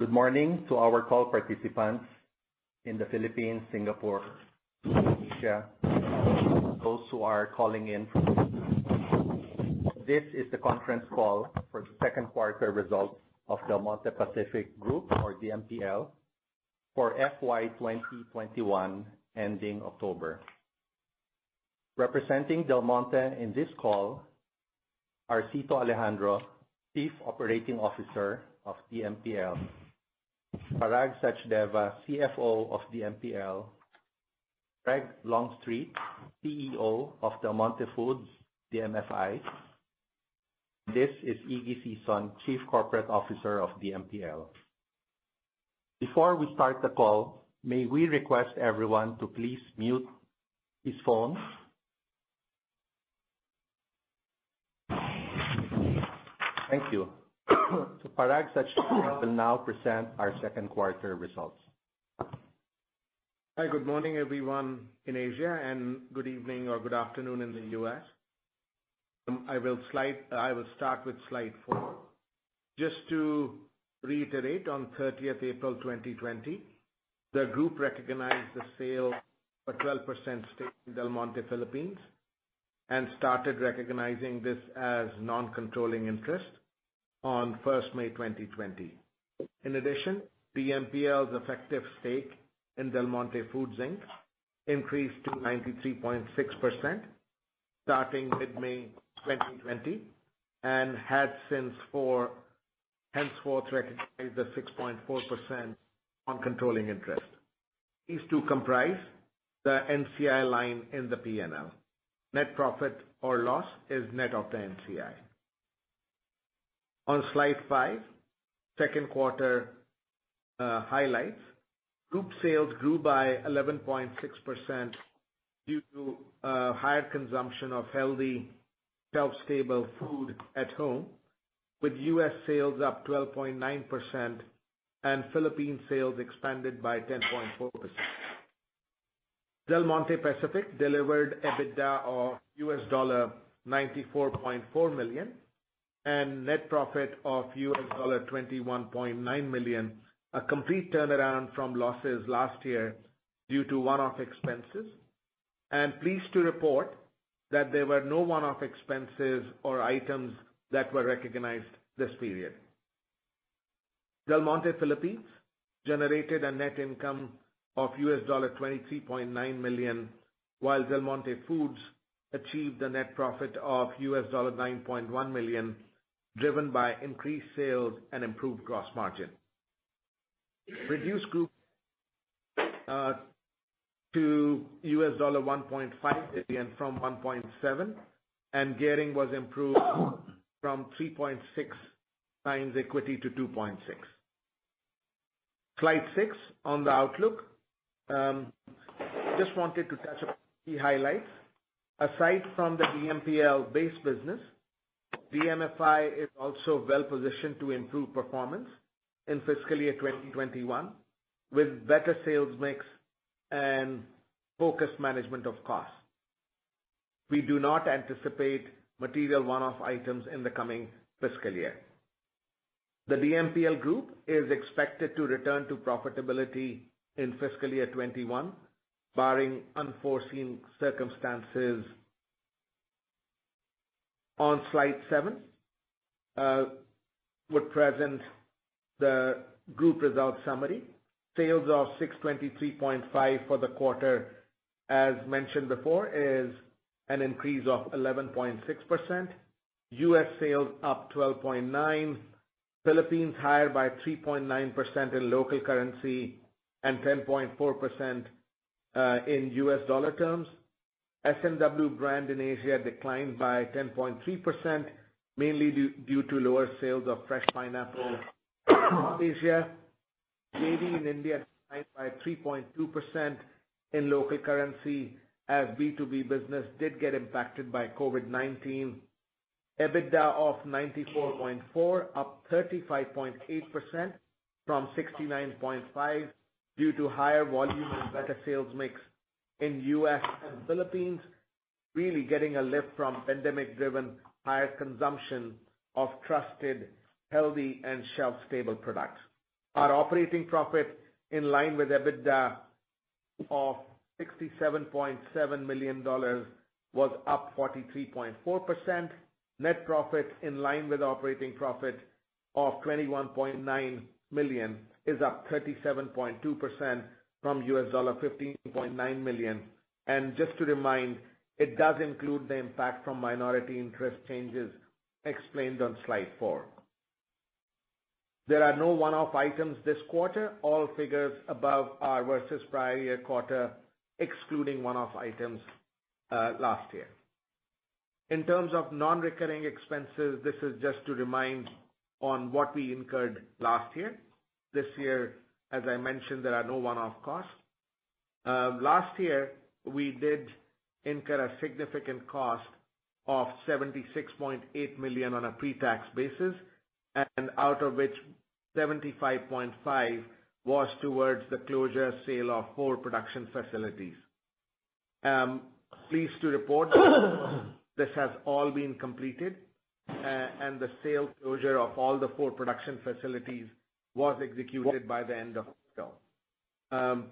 Good morning to our call participants in the Philippines, Singapore, Indonesia, those who are calling in. This is the conference call for the second quarter results of Del Monte Pacific, or DMPL, for FY 2021 ending October. Representing Del Monte in this call are Cito Alejandro, Chief Operating Officer of DMPL, Parag Sachdeva, Chief Financial Officer of DMPL, Greg Longstreet, Chief Executive Officer of Del Monte Foods, DMFI. This is Iggy Sison, Chief Corporate Officer of DMPL. Before we start the call, may we request everyone to please mute his phones? Thank you. Parag Sachdeva will now present our second quarter results. Hi. Good morning, everyone in Asia, and good evening or good afternoon in the U.S. I will start with slide four. Just to reiterate, on 30th April 2020, the group recognized the sale of a 12% stake in Del Monte Philippines, and started recognizing this as non-controlling interest on 1st May 2020. In addition, DMPL's effective stake in Del Monte Foods, Inc increased to 93.6% starting mid-May 2020, and henceforth recognized the 6.4% on controlling interest. These two comprise the NCI line in the P&L. Net profit or loss is net of the NCI. On slide five, second quarter highlights. Group sales grew by 11.6% due to higher consumption of healthy shelf-stable food at home, with U.S. sales up 12.9% and Philippine sales expanded by 10.4%. Del Monte Pacific delivered EBITDA of $94.4 million and net profit of $21.9 million, a complete turnaround from losses last year due to one-off expenses. Pleased to report that there were no one-off expenses or items that were recognized this period. Del Monte Philippines generated a net income of $23.9 million, while Del Monte Foods achieved a net profit of $9.1 million, driven by increased sales and improved gross margin. Reduced group to $1.5 billion from $1.7 billion, gearing was improved from 3.6x equity to 2.6x. Slide six on the outlook. Just wanted to touch on a few highlights. Aside from the DMPL base business, DMFI is also well-positioned to improve performance in fiscal year 2021 with better sales mix and focused management of costs. We do not anticipate material one-off items in the coming fiscal year. The DMPL group is expected to return to profitability in fiscal year 2021, barring unforeseen circumstances. On slide seven, we present the group results summary. Sales of $623.5 million for the quarter, as mentioned before, is an increase of 11.6%. U.S. sales up 12.9%, Philippines higher by 3.9% in local currency and 10.4% in U.S. dollar terms. S&W brand in Asia declined by 10.3%, mainly due to lower sales of fresh pineapple in Asia. JV in India declined by 3.2% in local currency as B2B business did get impacted by COVID-19. EBITDA of $94.4 million, up 35.8% from $69.5 million due to higher volume and better sales mix in U.S. and Philippines. Really getting a lift from pandemic-driven higher consumption of trusted, healthy, and shelf-stable products. Our operating profit, in line with EBITDA of $67.7 million, was up 43.4%. Net profit, in line with operating profit of $21.9 million, is up 37.2% from $15.9 million. Just to remind, it does include the impact from minority interest changes explained on slide four. There are no one-off items this quarter. All figures above are versus prior year quarter, excluding one-off items last year. In terms of non-recurring expenses, this is just to remind on what we incurred last year. This year, as I mentioned, there are no one-off costs. Last year, we did incur a significant cost of $76.8 million on a pre-tax basis, and out of which $75.5 million was towards the closure sale of four production facilities. I'm pleased to report this has all been completed, and the sale closure of all the four production facilities was executed by the end of October.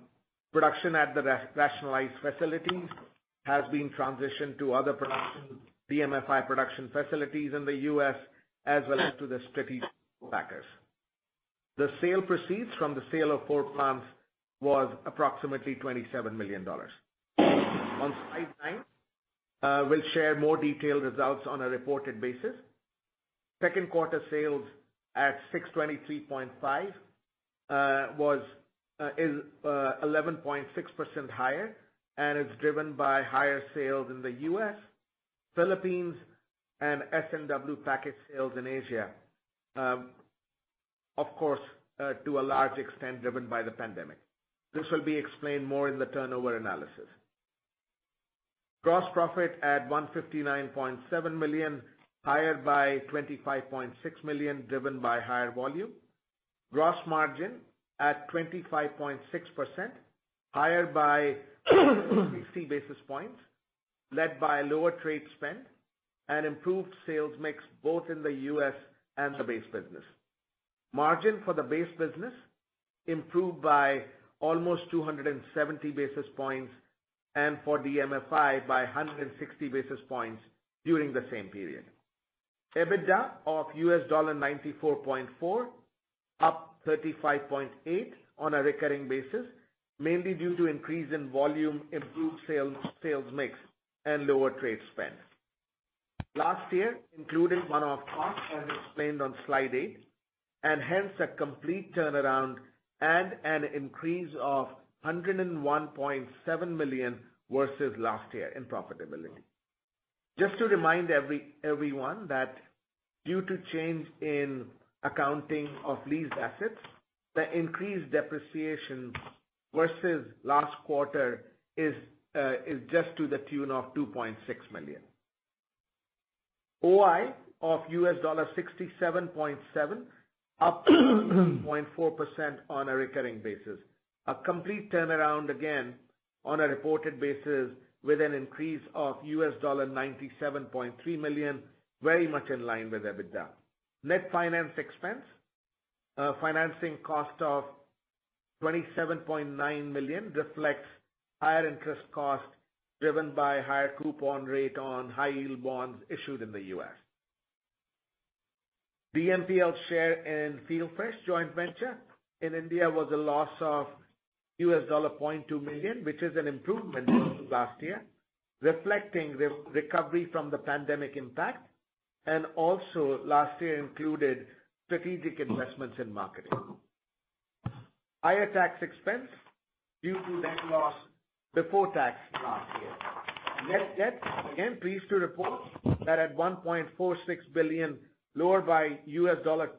Production at the rationalized facilities has been transitioned to other production, DMFI production facilities in the U.S., as well as to the strategic packers. The sale proceeds from the sale of four plants was approximately $27 million. On slide nine, we'll share more detailed results on a reported basis. Second quarter sales at $623.5 is 11.6% higher, and it's driven by higher sales in the U.S., Philippines, and S&W Packaged sales in Asia. Of course, to a large extent driven by the pandemic. This will be explained more in the turnover analysis. Gross profit at $159.7 million, higher by $25.6 million, driven by higher volume. Gross margin at 25.6%, higher by 160 basis points, led by lower trade spend and improved sales mix both in the U.S. and the base business. Margin for the base business improved by almost 270 basis points, and for DMFI by 160 basis points during the same period. EBITDA of $94.4, up 35.8% on a recurring basis, mainly due to increase in volume, improved sales mix, and lower trade spend. Last year included one-off costs as explained on slide eight, and hence a complete turnaround and an increase of $101.7 million versus last year in profitability. Just to remind everyone that due to change in accounting of leased assets, the increased depreciation versus last quarter is just to the tune of $2.6 million. OI of $67.7, up 0.4% on a recurring basis. A complete turnaround again on a reported basis with an increase of $97.3 million, very much in line with EBITDA. Net finance expense, financing cost of $27.9 million reflects higher interest cost driven by higher coupon rate on high-yield bonds issued in the U.S. DMPL's share in FieldFresh joint venture in India was a loss of $0.2 million, which is an improvement versus last year, reflecting the recovery from the pandemic impact, and also last year included strategic investments in marketing. Higher tax expense due to net loss before tax last year. Net debt, again, pleased to report that at $1.46 billion, lower by $274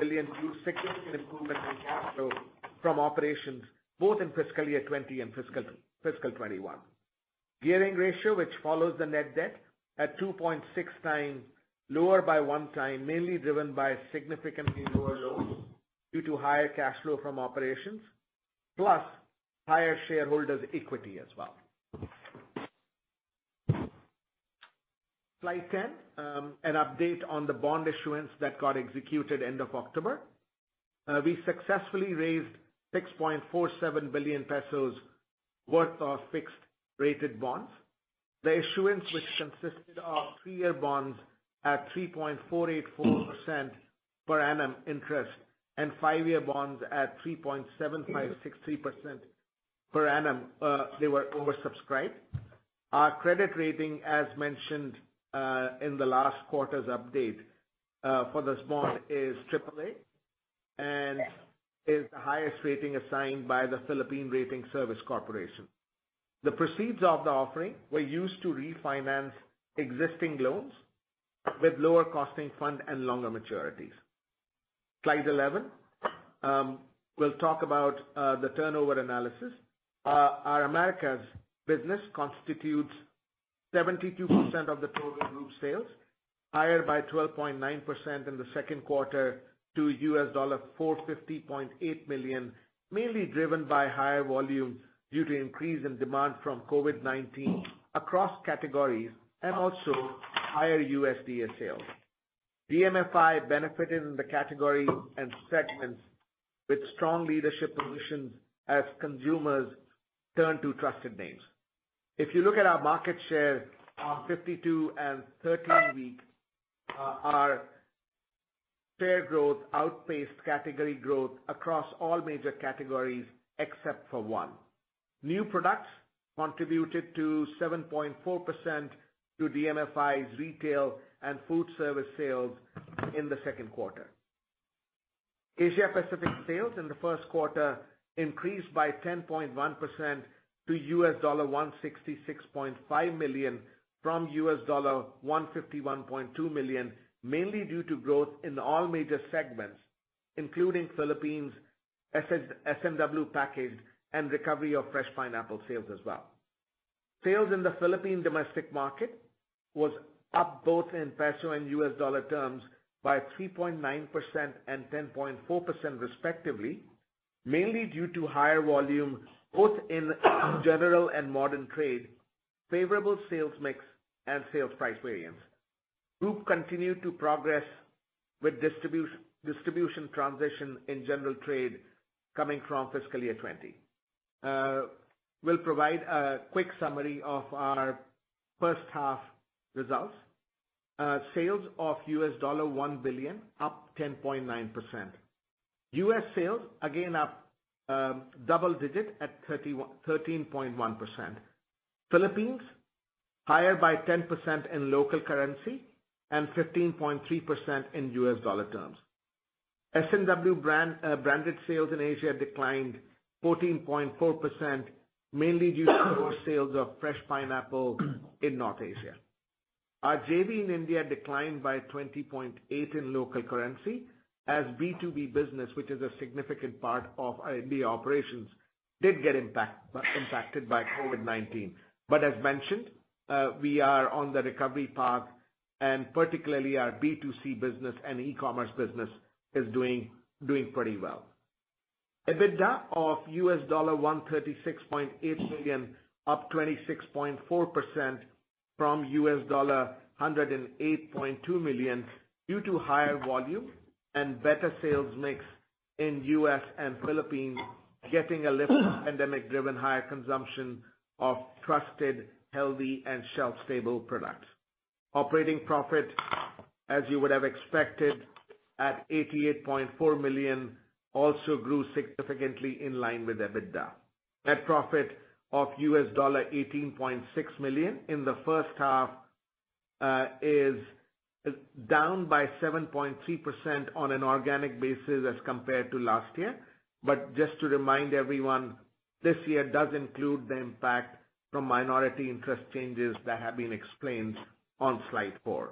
million due to significant improvement in cash flow from operations both in fiscal year 2020 and fiscal 2021. Gearing ratio, which follows the net debt at 2.6x, lower by 1x, mainly driven by significantly lower loans due to higher cash flow from operations, plus higher shareholders' equity as well. Slide 10, an update on the bond issuance that got executed end of October. We successfully raised 6.47 billion pesos worth of fixed-rated bonds. The issuance, which consisted of three-year bonds at 3.484% per annum interest and five-year bonds at 3.7563% per annum, they were oversubscribed. Our credit rating, as mentioned in the last quarter's update for this bond is AAA, and is the highest rating assigned by the Philippine Rating Services Corporation. The proceeds of the offering were used to refinance existing loans with lower costing fund and longer maturities. Slide 11. We'll talk about the turnover analysis. Our Americas business constitutes 72% of the total group sales, higher by 12.9% in the second quarter to $450.8 million, mainly driven by higher volume due to increase in demand from COVID-19 across categories and also higher USDA sales. DMFI benefited in the category and segments with strong leadership positions as consumers turn to trusted names. If you look at our market share on 52 and 13-week, our share growth outpaced category growth across all major categories except for one. New products contributed to 7.4% to DMFI's retail and food service sales in the second quarter. Asia Pacific sales in the first quarter increased by 10.1% to $166.5 million from $151.2 million, mainly due to growth in all major segments, including Philippines, S&W Packaged, and recovery of fresh pineapple sales as well. Sales in the Philippine domestic market was up both in PHP and USD terms by 3.9% and 10.4% respectively, mainly due to higher volume both in general and modern trade, favorable sales mix, and sales price variance. Group continued to progress with distribution transition in general trade coming from FY 2020. We'll provide a quick summary of our first half results. Sales of $1 billion, up 10.9%. U.S. sales, again up double-digit at 13.1%. Philippines, higher by 10% in local currency and 15.3% in US dollar terms. S&W-branded sales in Asia declined 14.4%, mainly due to lower sales of fresh pineapple in North Asia. Our JV in India declined by 20.8% in local currency as B2B business, which is a significant part of the operations, did get impacted by COVID-19. As mentioned, we are on the recovery path, and particularly our B2C business and e-commerce business is doing pretty well. EBITDA of $136.8 million, up 26.4% from $108.2 million due to higher volume and better sales mix in U.S. and Philippines, getting a lift from pandemic-driven higher consumption of trusted, healthy, and shelf-stable products. Operating profit, as you would have expected, at $88.4 million, also grew significantly in line with EBITDA. Net profit of $18.6 million in the first half is down by 7.3% on an organic basis as compared to last year. Just to remind everyone, this year does include the impact from minority interest changes that have been explained on slide four.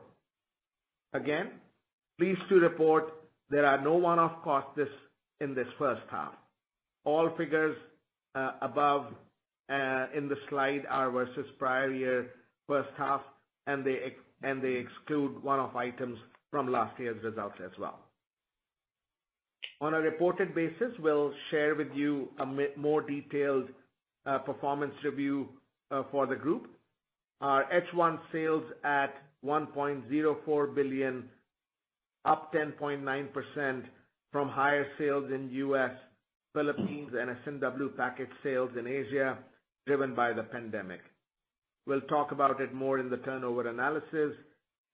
Pleased to report there are no one-off costs in this first half. All figures above in the slide are versus prior year first half, and they exclude one-off items from last year's results as well. On a reported basis, we'll share with you a more detailed performance review for the group. Our H1 sales at $1.04 billion, up 10.9% from higher sales in U.S., Philippines, and S&W Packaged sales in Asia, driven by the pandemic. We'll talk about it more in the turnover analysis.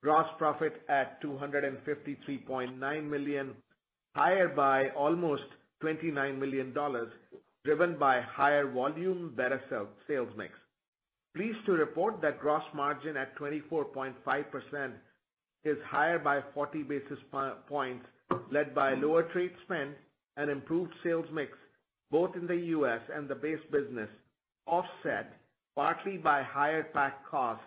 Gross profit at $253.9 million, higher by almost $29 million, driven by higher volume, better sales mix. Pleased to report that gross margin at 24.5% is higher by 40 basis points, led by lower trade spend and improved sales mix, both in the U.S. and the base business, offset partly by higher pack cost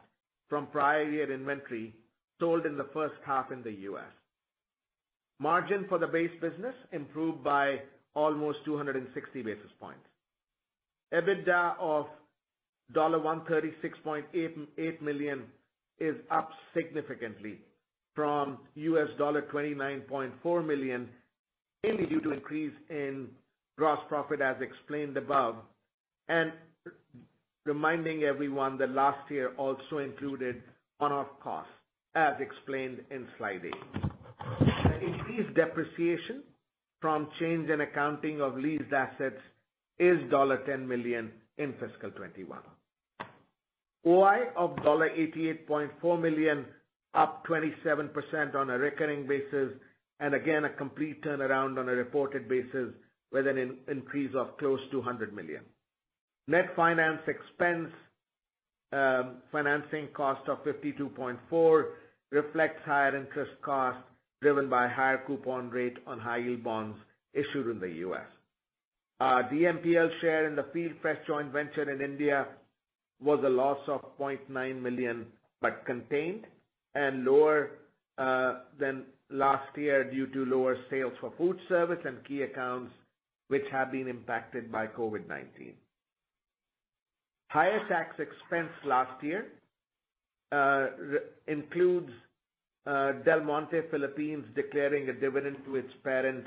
from prior year inventory sold in the first half in the U.S. Margin for the base business improved by almost 260 basis points. EBITDA of $136.8 million is up significantly from $29.4 million, mainly due to increase in gross profit as explained above, and reminding everyone that last year also included one-off costs, as explained in slide eight. Increased depreciation from change in accounting of leased assets is $10 million in fiscal 2021. OI of $88.4 million, up 27% on a recurring basis, and again, a complete turnaround on a reported basis with an increase of close to $100 million. Net finance expense, financing cost of $52.4 million reflects higher interest costs, driven by higher coupon rate on high-yield bonds issued in the U.S. Our DMPL share in the FieldFresh joint venture in India was a loss of $0.9 million, but contained, and lower than last year due to lower sales for food service and key accounts, which have been impacted by COVID-19. Higher tax expense last year includes Del Monte Philippines declaring a dividend to its parent,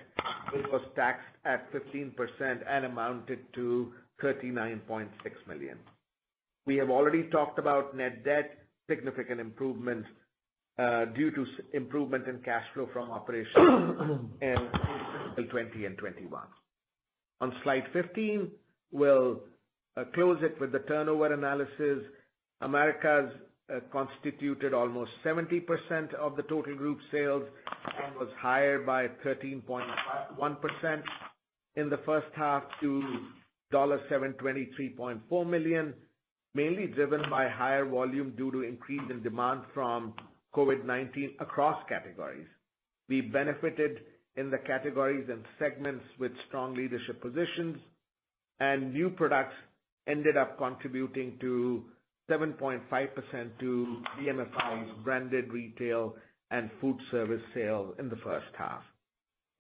which was taxed at 15% and amounted to $39.6 million. We have already talked about net debt, significant improvement due to improvement in cash flow from operations in fiscal 2020 and 2021. On slide 15, we'll close it with the turnover analysis. Americas constituted almost 70% of the total group sales and was higher by 13.1% in the first half to $723.4 million, mainly driven by higher volume due to increase in demand from COVID-19 across categories. We benefited in the categories and segments with strong leadership positions, and new products ended up contributing to 7.5% to DMFI's branded retail and food service sales in the first half.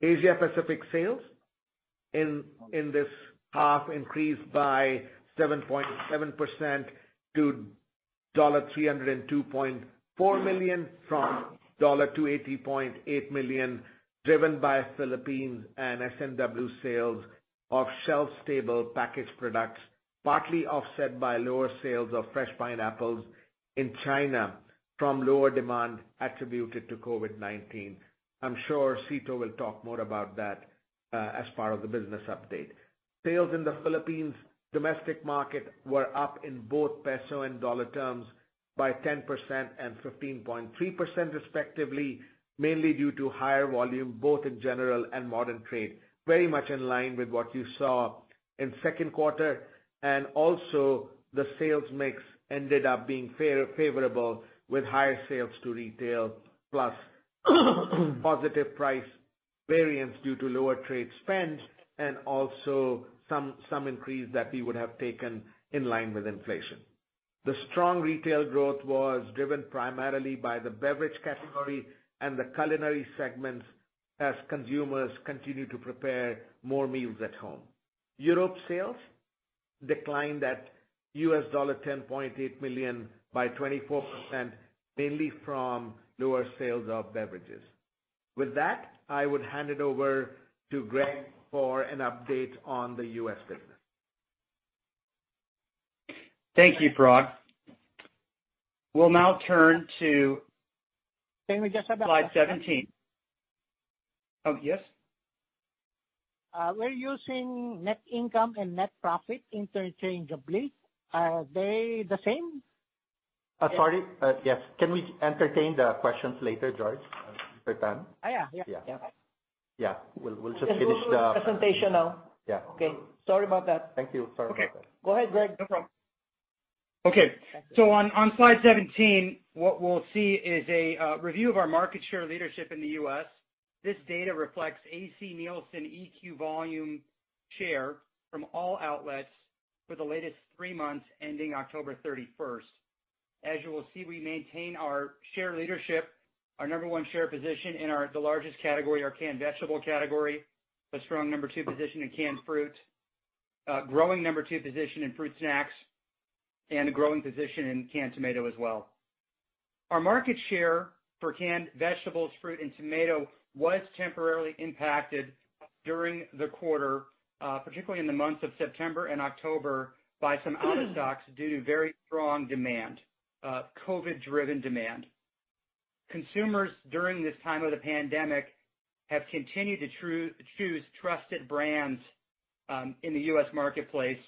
Asia Pacific sales in this half increased by 7.7% to $302.4 million from $280.8 million, driven by Philippines and S&W sales of shelf-stable packaged products, partly offset by lower sales of fresh pineapples in China from lower demand attributed to COVID-19. I'm sure Cito will talk more about that as part of the business update. Sales in the Philippines domestic market were up in both peso and dollar terms by 10% and 15.3% respectively, mainly due to higher volume both in general and modern trade, very much in line with what you saw in second quarter. Also, the sales mix ended up being favorable with higher sales to retail plus positive price variance due to lower trade spends and also some increase that we would have taken in line with inflation. The strong retail growth was driven primarily by the beverage category and the culinary segments as consumers continue to prepare more meals at home. Europe sales declined at $10.8 million by 24%, mainly from lower sales of beverages. With that, I would hand it over to Greg for an update on the U.S. business. Thank you, Parag. We'll now turn to. Can we just have a question? Slide 17. Oh, yes? We're using net income and net profit interchangeably. Are they the same? Sorry. Yes. Can we entertain the questions later, George? When we're done. Yeah. Yeah. Yeah. Yeah. Can we do the presentation now? Yeah. Okay. Sorry about that. Thank you. Sorry about that. Okay. Go ahead, Greg. No problem. Okay. On slide 17, what we'll see is a review of our market share leadership in the U.S. This data reflects A.C. Nielsen EQ volume share from all outlets for the latest three months ending October 31st. As you will see, we maintain our share leadership, our number one share position in the largest category, our canned vegetable category, a strong number two position in canned fruit, a growing number two position in fruit snacks, and a growing position in canned tomato as well. Our market share for canned vegetables, fruit, and tomato was temporarily impacted during the quarter, particularly in the months of September and October by some out of stocks due to very strong demand, COVID-driven demand. Consumers during this time of the pandemic have continued to choose trusted brands, in the U.S. marketplace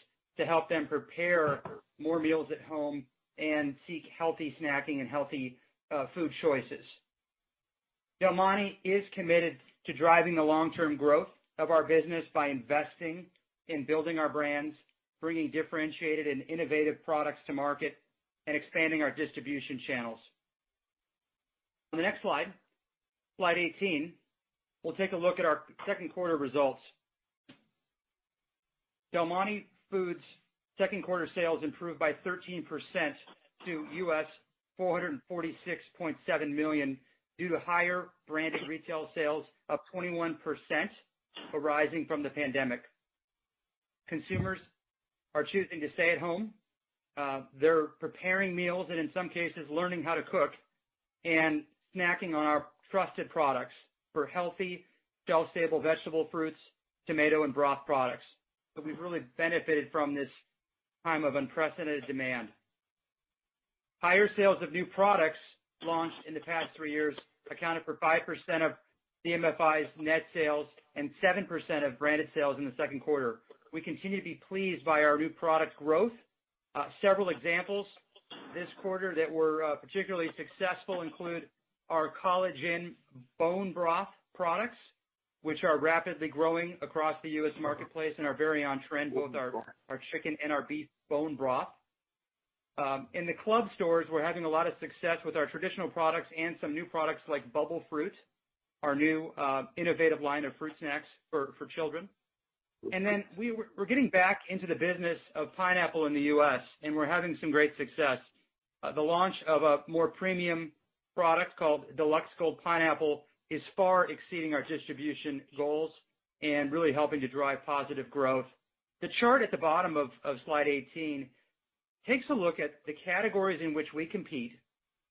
to help them prepare more meals at home and seek healthy snacking and healthy food choices. Del Monte is committed to driving the long-term growth of our business by investing in building our brands, bringing differentiated and innovative products to market, and expanding our distribution channels. On the next slide 18, we'll take a look at our second quarter results. Del Monte Foods' second quarter sales improved by 13% to $446.7 million due to higher branded retail sales of 21% arising from the pandemic. Consumers are choosing to stay at home. They're preparing meals and in some cases, learning how to cook and snacking on our trusted products for healthy shelf-stable vegetable, fruits, tomato, and broth products. We've really benefited from this time of unprecedented demand. Higher sales of new products launched in the past three years accounted for 5% of DMFI's net sales and 7% of branded sales in the second quarter. We continue to be pleased by our new product growth. Several examples this quarter that were particularly successful include our collagen bone broth products, which are rapidly growing across the U.S. marketplace and are very on-trend, both our chicken and our beef bone broth. In the club stores, we're having a lot of success with our traditional products and some new products like Bubble Fruit, our new innovative line of fruit snacks for children. We're getting back into the business of pineapple in the U.S., and we're having some great success. The launch of a more premium product called Deluxe Gold Pineapple is far exceeding our distribution goals and really helping to drive positive growth. The chart at the bottom of slide 18 takes a look at the categories in which we compete.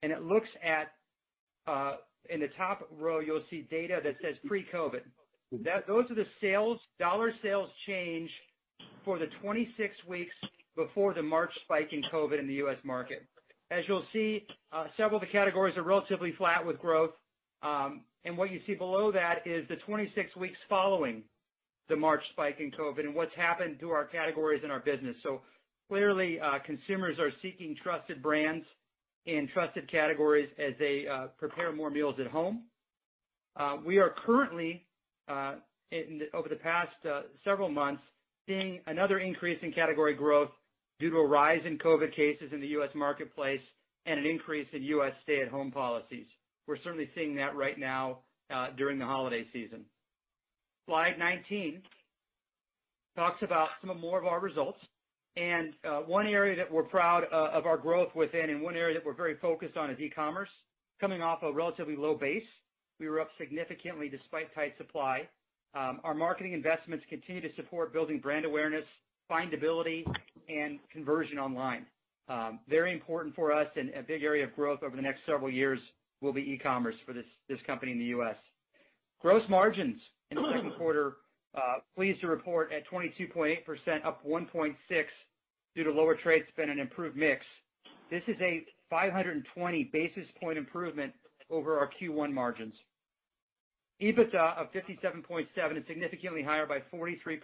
It looks at, in the top row, you'll see data that says pre-COVID. Those are the dollar sales change for the 26 weeks before the March spike in COVID in the U.S. market. As you'll see, several of the categories are relatively flat with growth. What you see below that is the 26 weeks following the March spike in COVID and what's happened to our categories and our business. Clearly, consumers are seeking trusted brands in trusted categories as they prepare more meals at home. We are currently, over the past several months, seeing another increase in category growth due to a rise in COVID cases in the U.S. marketplace and an increase in U.S. stay-at-home policies. We're certainly seeing that right now, during the holiday season. Slide 19. Talks about some more of our results. One area that we're proud of our growth within and one area that we're very focused on is e-commerce. Coming off a relatively low base, we were up significantly despite tight supply. Our marketing investments continue to support building brand awareness, findability, and conversion online. Very important for us and a big area of growth over the next several years will be e-commerce for this company in the U.S. Gross margins in the second quarter, pleased to report at 22.8%, up 1.6% due to lower trade spend and improved mix. This is a 520 basis point improvement over our Q1 margins. EBITDA of $57.7 is significantly higher by 43%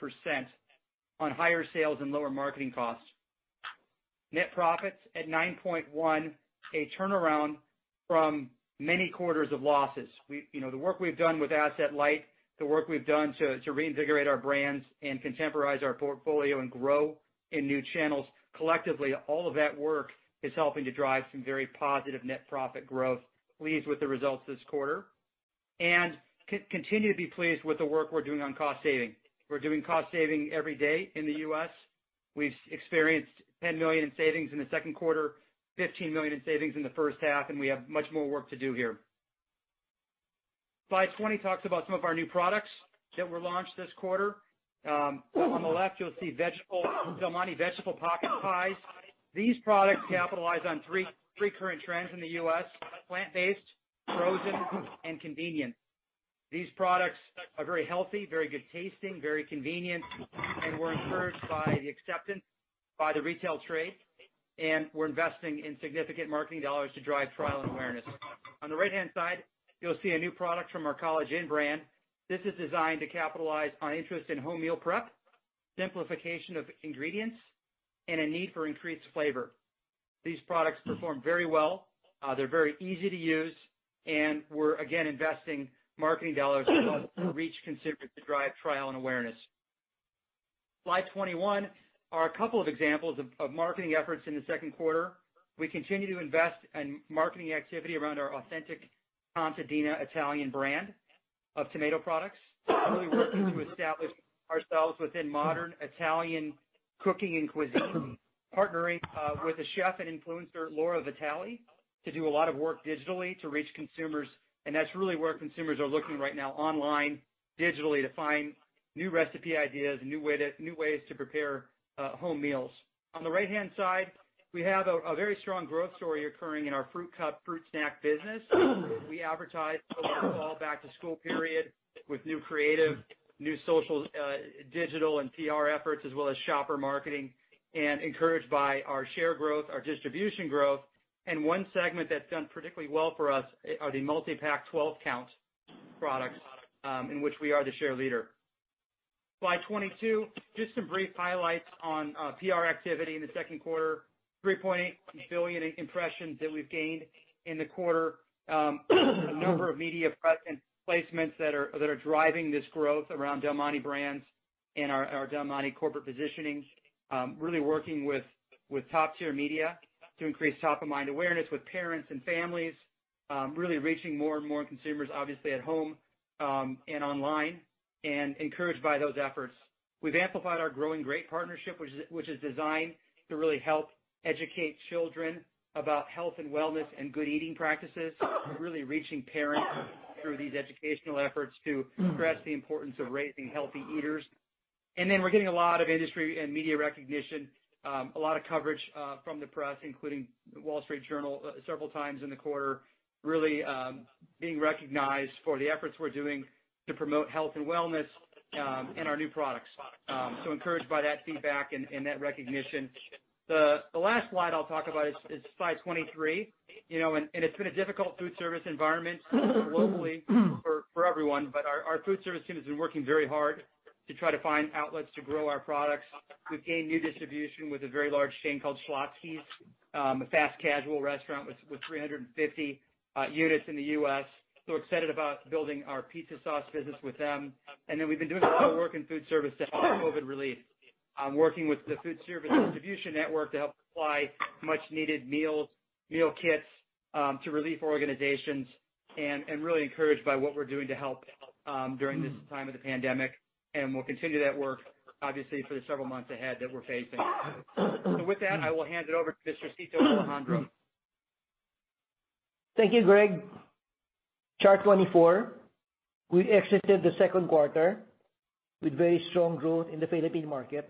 on higher sales and lower marketing costs. Net profits at $9.1, a turnaround from many quarters of losses. The work we've done with asset-light, the work we've done to reinvigorate our brands and contemporize our portfolio and grow in new channels, collectively, all of that work is helping to drive some very positive net profit growth. Pleased with the results this quarter, and continue to be pleased with the work we're doing on cost saving. We're doing cost saving every day in the U.S. We've experienced $10 million in savings in the second quarter, $15 million in savings in the first half, and we have much more work to do here. Slide 20 talks about some of our new products that were launched this quarter. On the left, you'll see Del Monte Veggieful Pocket Pies. These products capitalize on three current trends in the U.S.: plant-based, frozen, and convenience. These products are very healthy, very good tasting, very convenient, and we're encouraged by the acceptance by the retail trade, and we're investing in significant marketing dollars to drive trial and awareness. On the right-hand side, you'll see a new product from our College Inn brand. This is designed to capitalize on interest in home meal prep, simplification of ingredients, and a need for increased flavor. These products perform very well. They're very easy to use, and we're again investing marketing dollars to reach consumers to drive trial and awareness. Slide 21 are a couple of examples of marketing efforts in the second quarter. We continue to invest in marketing activity around our authentic Contadina Italian brand of tomato products, really working to establish ourselves within modern Italian cooking and cuisine, partnering with a chef and influencer, Laura Vitale, to do a lot of work digitally to reach consumers, and that's really where consumers are looking right now, online, digitally, to find new recipe ideas, new ways to prepare home meals. On the right-hand side, we have a very strong growth story occurring in our Fruit Cup fruit snack business. We advertise over the fall back to school period with new creative, new social, digital, and PR efforts, as well as shopper marketing, and encouraged by our share growth, our distribution growth. One segment that's done particularly well for us are the multi-pack 12 count products in which we are the share leader. Slide 22, just some brief highlights on PR activity in the second quarter. 3.8 billion impressions that we've gained in the quarter. A number of media press placements that are driving this growth around Del Monte brands and our Del Monte corporate positioning. Really working with top tier media to increase top of mind awareness with parents and families. Really reaching more and more consumers, obviously, at home and online. Encouraged by those efforts. We've amplified our GrowingGreat partnership, which is designed to really help educate children about health and wellness and good eating practices. Really reaching parents through these educational efforts to stress the importance of raising healthy eaters. We're getting a lot of industry and media recognition. A lot of coverage from the press, including "The Wall Street Journal" several times in the quarter. Really being recognized for the efforts we're doing to promote health and wellness and our new products. Encouraged by that feedback and that recognition. The last slide I'll talk about is slide 23. It's been a difficult food service environment globally for everyone, but our food service team has been working very hard to try to find outlets to grow our products. We've gained new distribution with a very large chain called Schlotzsky's, a fast casual restaurant with 350 units in the U.S. Excited about building our pizza sauce business with them. We've been doing a lot of work in food service to help with COVID relief. Working with the food service distribution network to help supply much needed meal kits to relief organizations, and really encouraged by what we're doing to help during this time of the pandemic, and we'll continue that work, obviously, for the several months ahead that we're facing. With that, I will hand it over to Mr. Cito Alejandro. Thank you, Greg. Chart 24. We exited the second quarter with very strong growth in the Philippine market.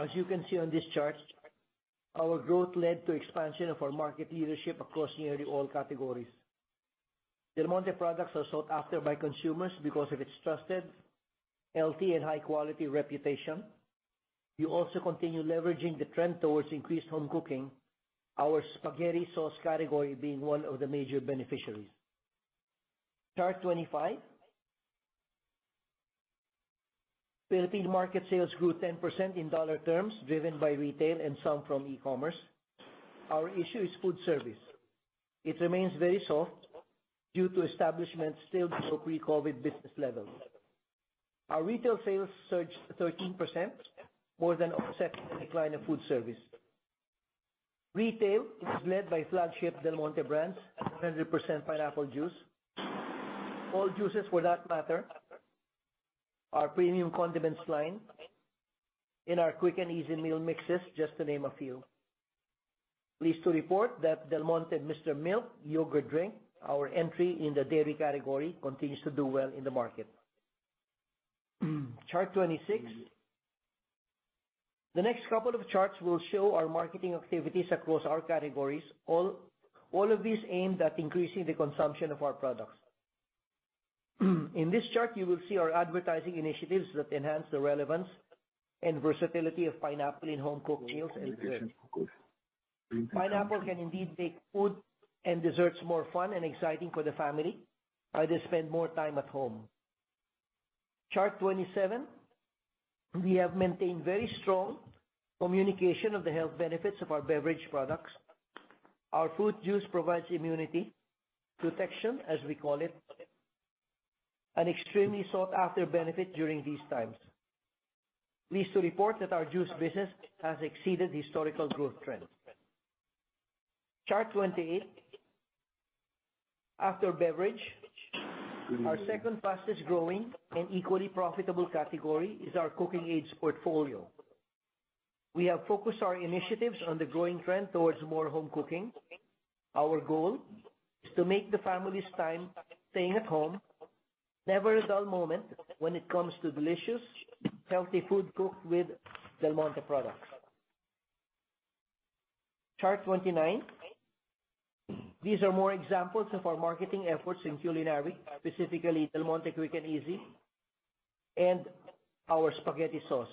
As you can see on this chart, our growth led to expansion of our market leadership across nearly all categories. Del Monte products are sought after by consumers because of its trusted, healthy, and high-quality reputation. We also continue leveraging the trend towards increased home cooking, our spaghetti sauce category being one of the major beneficiaries. Chart 25. Philippine market sales grew 10% in dollar terms, driven by retail and some from e-commerce. Our issue is food service. It remains very soft due to establishments still below pre-COVID business levels. Our retail sales surged 13%, more than offsetting the decline of food service. Retail is led by flagship Del Monte brands, 100% pineapple juice, all juices for that matter, our premium condiments line, and our Quick 'n Easy meal mixes, just to name a few. Pleased to report that Del Monte Mr. Milk yogurt drink, our entry in the dairy category, continues to do well in the market. Chart 26. The next couple of charts will show our marketing activities across our categories, all of these aimed at increasing the consumption of our products. In this chart, you will see our advertising initiatives that enhance the relevance and versatility of pineapple in home-cooked meals and desserts. Pineapple can indeed make food and desserts more fun and exciting for the family, as they spend more time at home. Chart 27. We have maintained very strong communication of the health benefits of our beverage products. Our fruit juice provides immunity protection, as we call it, an extremely sought-after benefit during these times. Pleased to report that our juice business has exceeded historical growth trends. Chart 28. After beverage, our second fastest growing and equally profitable category is our cooking aids portfolio. We have focused our initiatives on the growing trend towards more home cooking. Our goal is to make the family's time staying at home never a dull moment when it comes to delicious, healthy food cooked with Del Monte products. Chart 29. These are more examples of our marketing efforts in culinary, specifically Del Monte Quick & Easy, and our spaghetti sauce.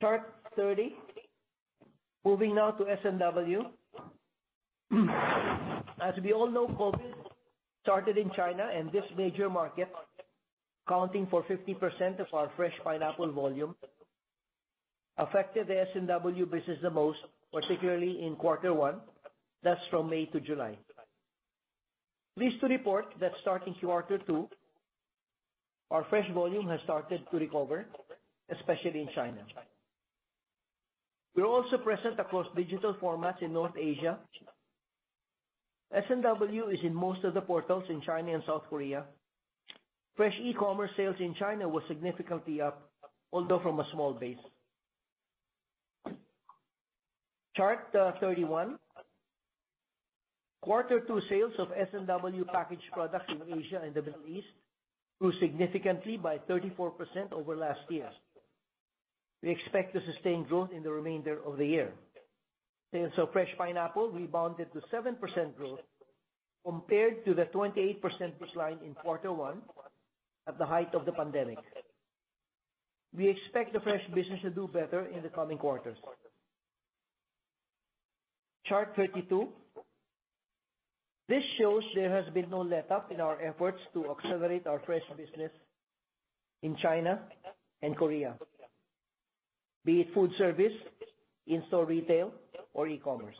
Chart 30. Moving now to S&W. As we all know, COVID started in China, this major market, accounting for 50% of our fresh pineapple volume, affected the S&W business the most, particularly in quarter one. That's from May to July. Pleased to report that starting quarter two, our fresh volume has started to recover, especially in China. We're also present across digital formats in North Asia. S&W is in most of the portals in China and South Korea. Fresh e-commerce sales in China were significantly up, although from a small base. Chart 31. Quarter two sales of S&W packaged products in Asia and the Middle East grew significantly by 34% over last year. We expect to sustain growth in the remainder of the year. Sales of fresh pineapple rebounded to 7% growth compared to the 28% baseline in quarter one at the height of the pandemic. We expect the fresh business to do better in the coming quarters. Chart 32. This shows there has been no letup in our efforts to accelerate our fresh business in China and Korea, be it food service, in-store retail, or e-commerce.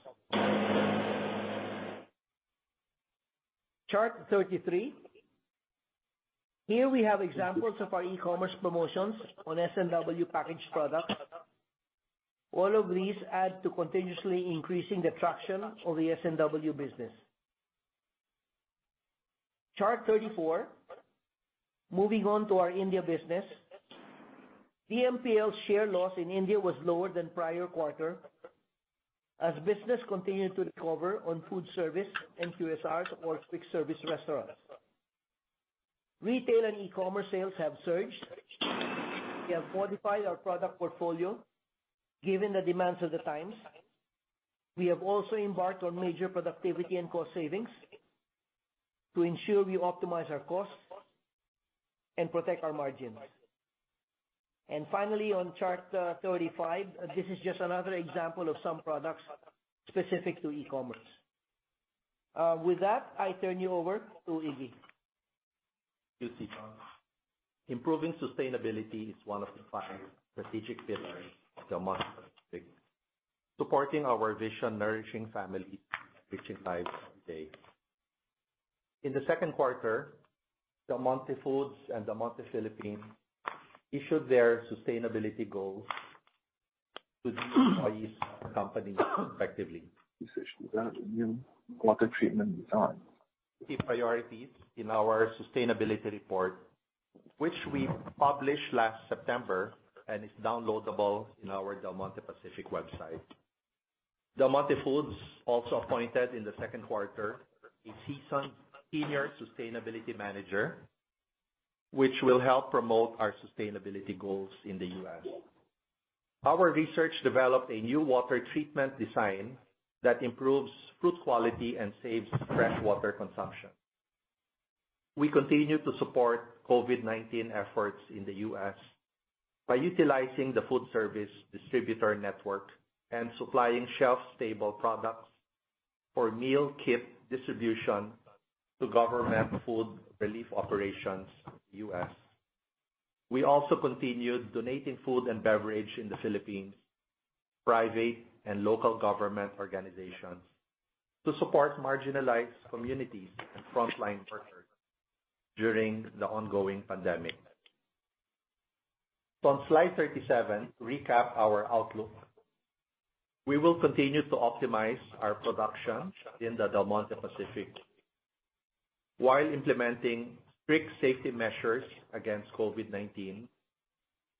Chart 33. Here we have examples of our e-commerce promotions on S&W packaged products. All of these add to continuously increasing the traction of the S&W business. Chart 34. Moving on to our India business. DMPL's share loss in India was lower than prior quarter as business continued to recover on food service and QSRs, or quick service restaurants. Retail and e-commerce sales have surged. We have modified our product portfolio given the demands of the times. We have also embarked on major productivity and cost savings to ensure we optimize our costs and protect our margins. Finally, on chart 35, this is just another example of some products specific to e-commerce. With that, I turn you over to Iggy. Thank you, Cito. Improving sustainability is one of the five strategic pillars of Del Monte Pacific, supporting our vision, nourishing families, enriching lives every day. In the second quarter, Del Monte Foods and Del Monte Philippines issued their sustainability goals to the employees of the company effectively. Key priorities in our sustainability report, which we published last September and is downloadable in our Del Monte Pacific website. Del Monte Foods also appointed in the second quarter, a seasoned Senior Sustainability Manager, which will help promote our sustainability goals in the U.S. Our research developed a new water treatment design that improves fruit quality and saves fresh water consumption. We continue to support COVID-19 efforts in the U.S. by utilizing the food service distributor network and supplying shelf-stable products for meal kit distribution to government food relief operations in the U.S. We also continued donating food and beverage in the Philippines, private and local government organizations, to support marginalized communities and frontline workers during the ongoing pandemic. On slide 37, to recap our outlook. We will continue to optimize our production in the Del Monte Pacific while implementing strict safety measures against COVID-19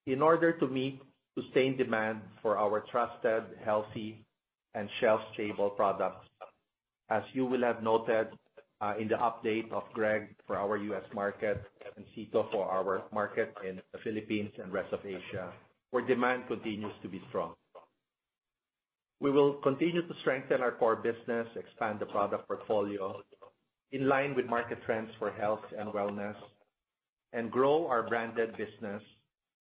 in order to meet sustained demand for our trusted, healthy, and shelf-stable products, as you will have noted in the update of Greg for our U.S. market, and Cito for our market in the Philippines and rest of Asia, where demand continues to be strong. We will continue to strengthen our core business, expand the product portfolio in line with market trends for health and wellness, and grow our branded business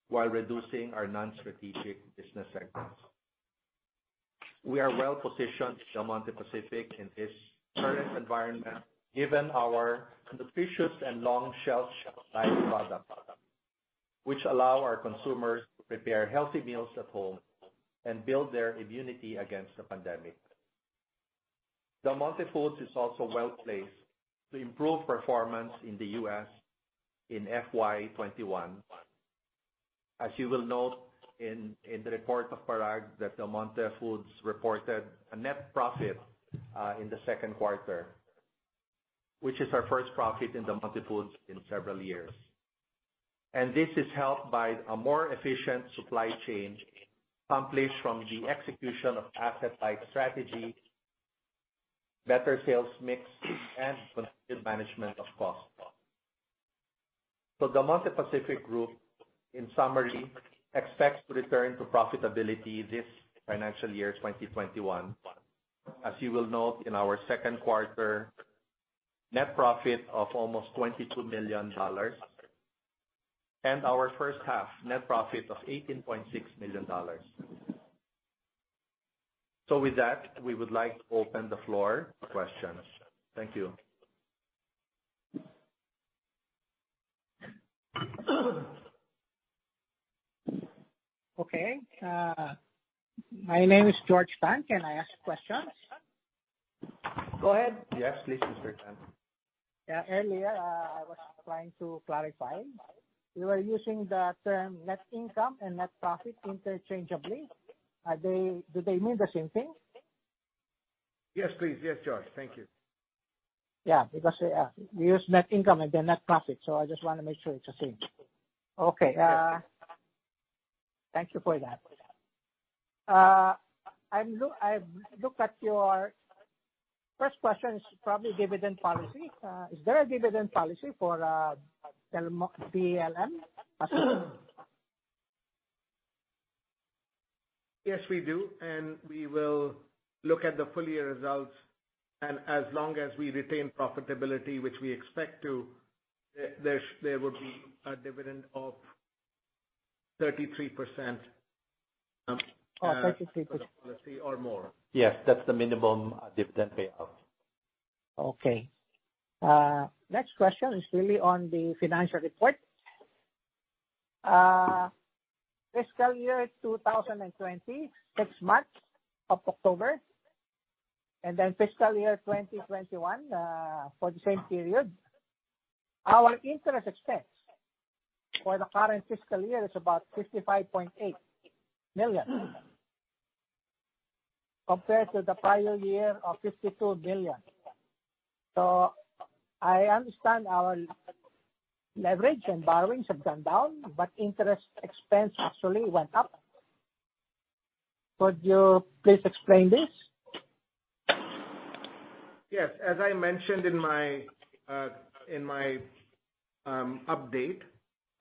while reducing our non-strategic business segments. We are well-positioned, Del Monte Pacific, in this current environment, given our nutritious and long shelf life products, which allow our consumers to prepare healthy meals at home and build their immunity against the pandemic. Del Monte Foods is also well-placed to improve performance in the U.S. in FY 2021. As you will note in the report of Parag, that Del Monte Foods reported a net profit in the second quarter, which is our first profit in Del Monte Foods in several years. This is helped by a more efficient supply chain accomplished from the execution of asset-light strategy, better sales mix, and continued management of costs. Del Monte Pacific Group, in summary, expects to return to profitability this financial year 2021. As you will note in our second quarter net profit of almost $22 million, and our first half net profit of $18.6 million. With that, we would like to open the floor for questions. Thank you. Okay. My name is George Tan. Can I ask questions? Go ahead. Yes, please, Mr. Tan. Earlier, I was trying to clarify. You were using the term net income and net profit interchangeably. Do they mean the same thing? Yes, please. Yes, George. Thank you. Yeah, because you used net income and then net profit, so I just want to make sure it's the same. Okay. Thank you for that. First question is probably dividend policy. Is there a dividend policy for Del Monte Pacific? Yes, we do, and we will look at the full year results, and as long as we retain profitability, which we expect to, there will be a dividend of 33%. Oh, 33% policy or more. Yes, that's the minimum dividend payout. Okay. Next question is really on the financial report. Fiscal year 2020, six months of October, and then fiscal year 2021, for the same period. Our interest expense for the current fiscal year is about $55.8 million, compared to the prior year of $52 million. I understand our leverage and borrowings have gone down, but interest expense actually went up. Could you please explain this? Yes. As I mentioned in my update,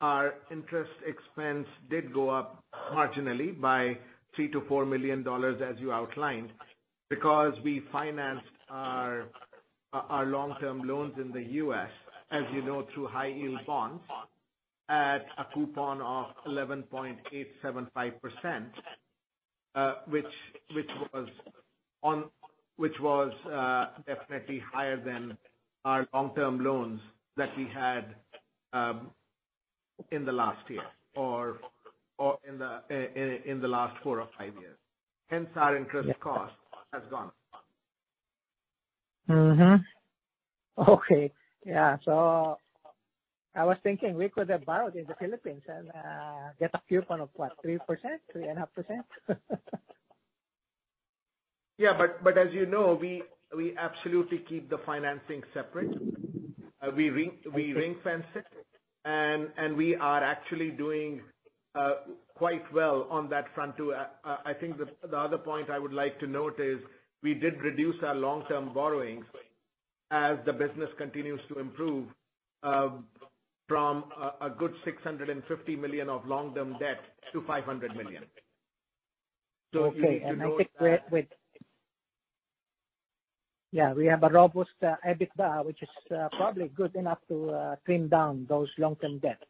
our interest expense did go up marginally by $3 million-$4 million, as you outlined, because we financed our long-term loans in the U.S., as you know, through high-yield bonds at a coupon of 11.875%, which was definitely higher than our long-term loans that we had in the last year or in the last four or five years. Hence, our interest cost has gone up. Mm-hmm. Okay. Yeah. I was thinking we could have borrowed in the Philippines and get a coupon of what, 3%-3.5%? Yeah, as you know, we absolutely keep the financing separate. We ring-fence it, and we are actually doing quite well on that front too. I think the other point I would like to note is we did reduce our long-term borrowings as the business continues to improve from a good $650 million of long-term debt to $500 million. We have a robust EBITDA, which is probably good enough to trim down those long-term debts.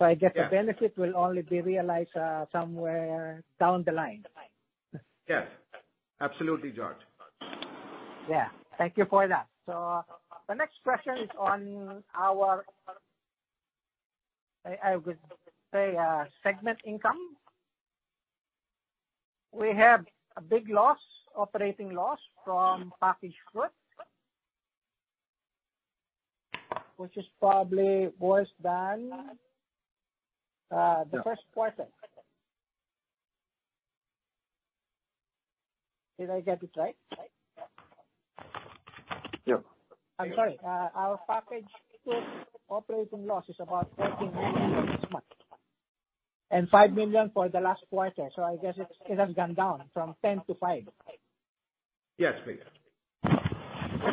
Yeah the benefit will only be realized somewhere down the line. Yes. Absolutely, George. Yeah. Thank you for that. The next question is on our, I would say, segment income. We have a big operating loss from packaged goods, which is probably worse than the first quarter. Did I get it right? Yeah. I'm sorry. Our packaged goods operating loss is about $13 million for this month, and $5 million for the last quarter. I guess it has gone down from $10 to $5. Yes, please.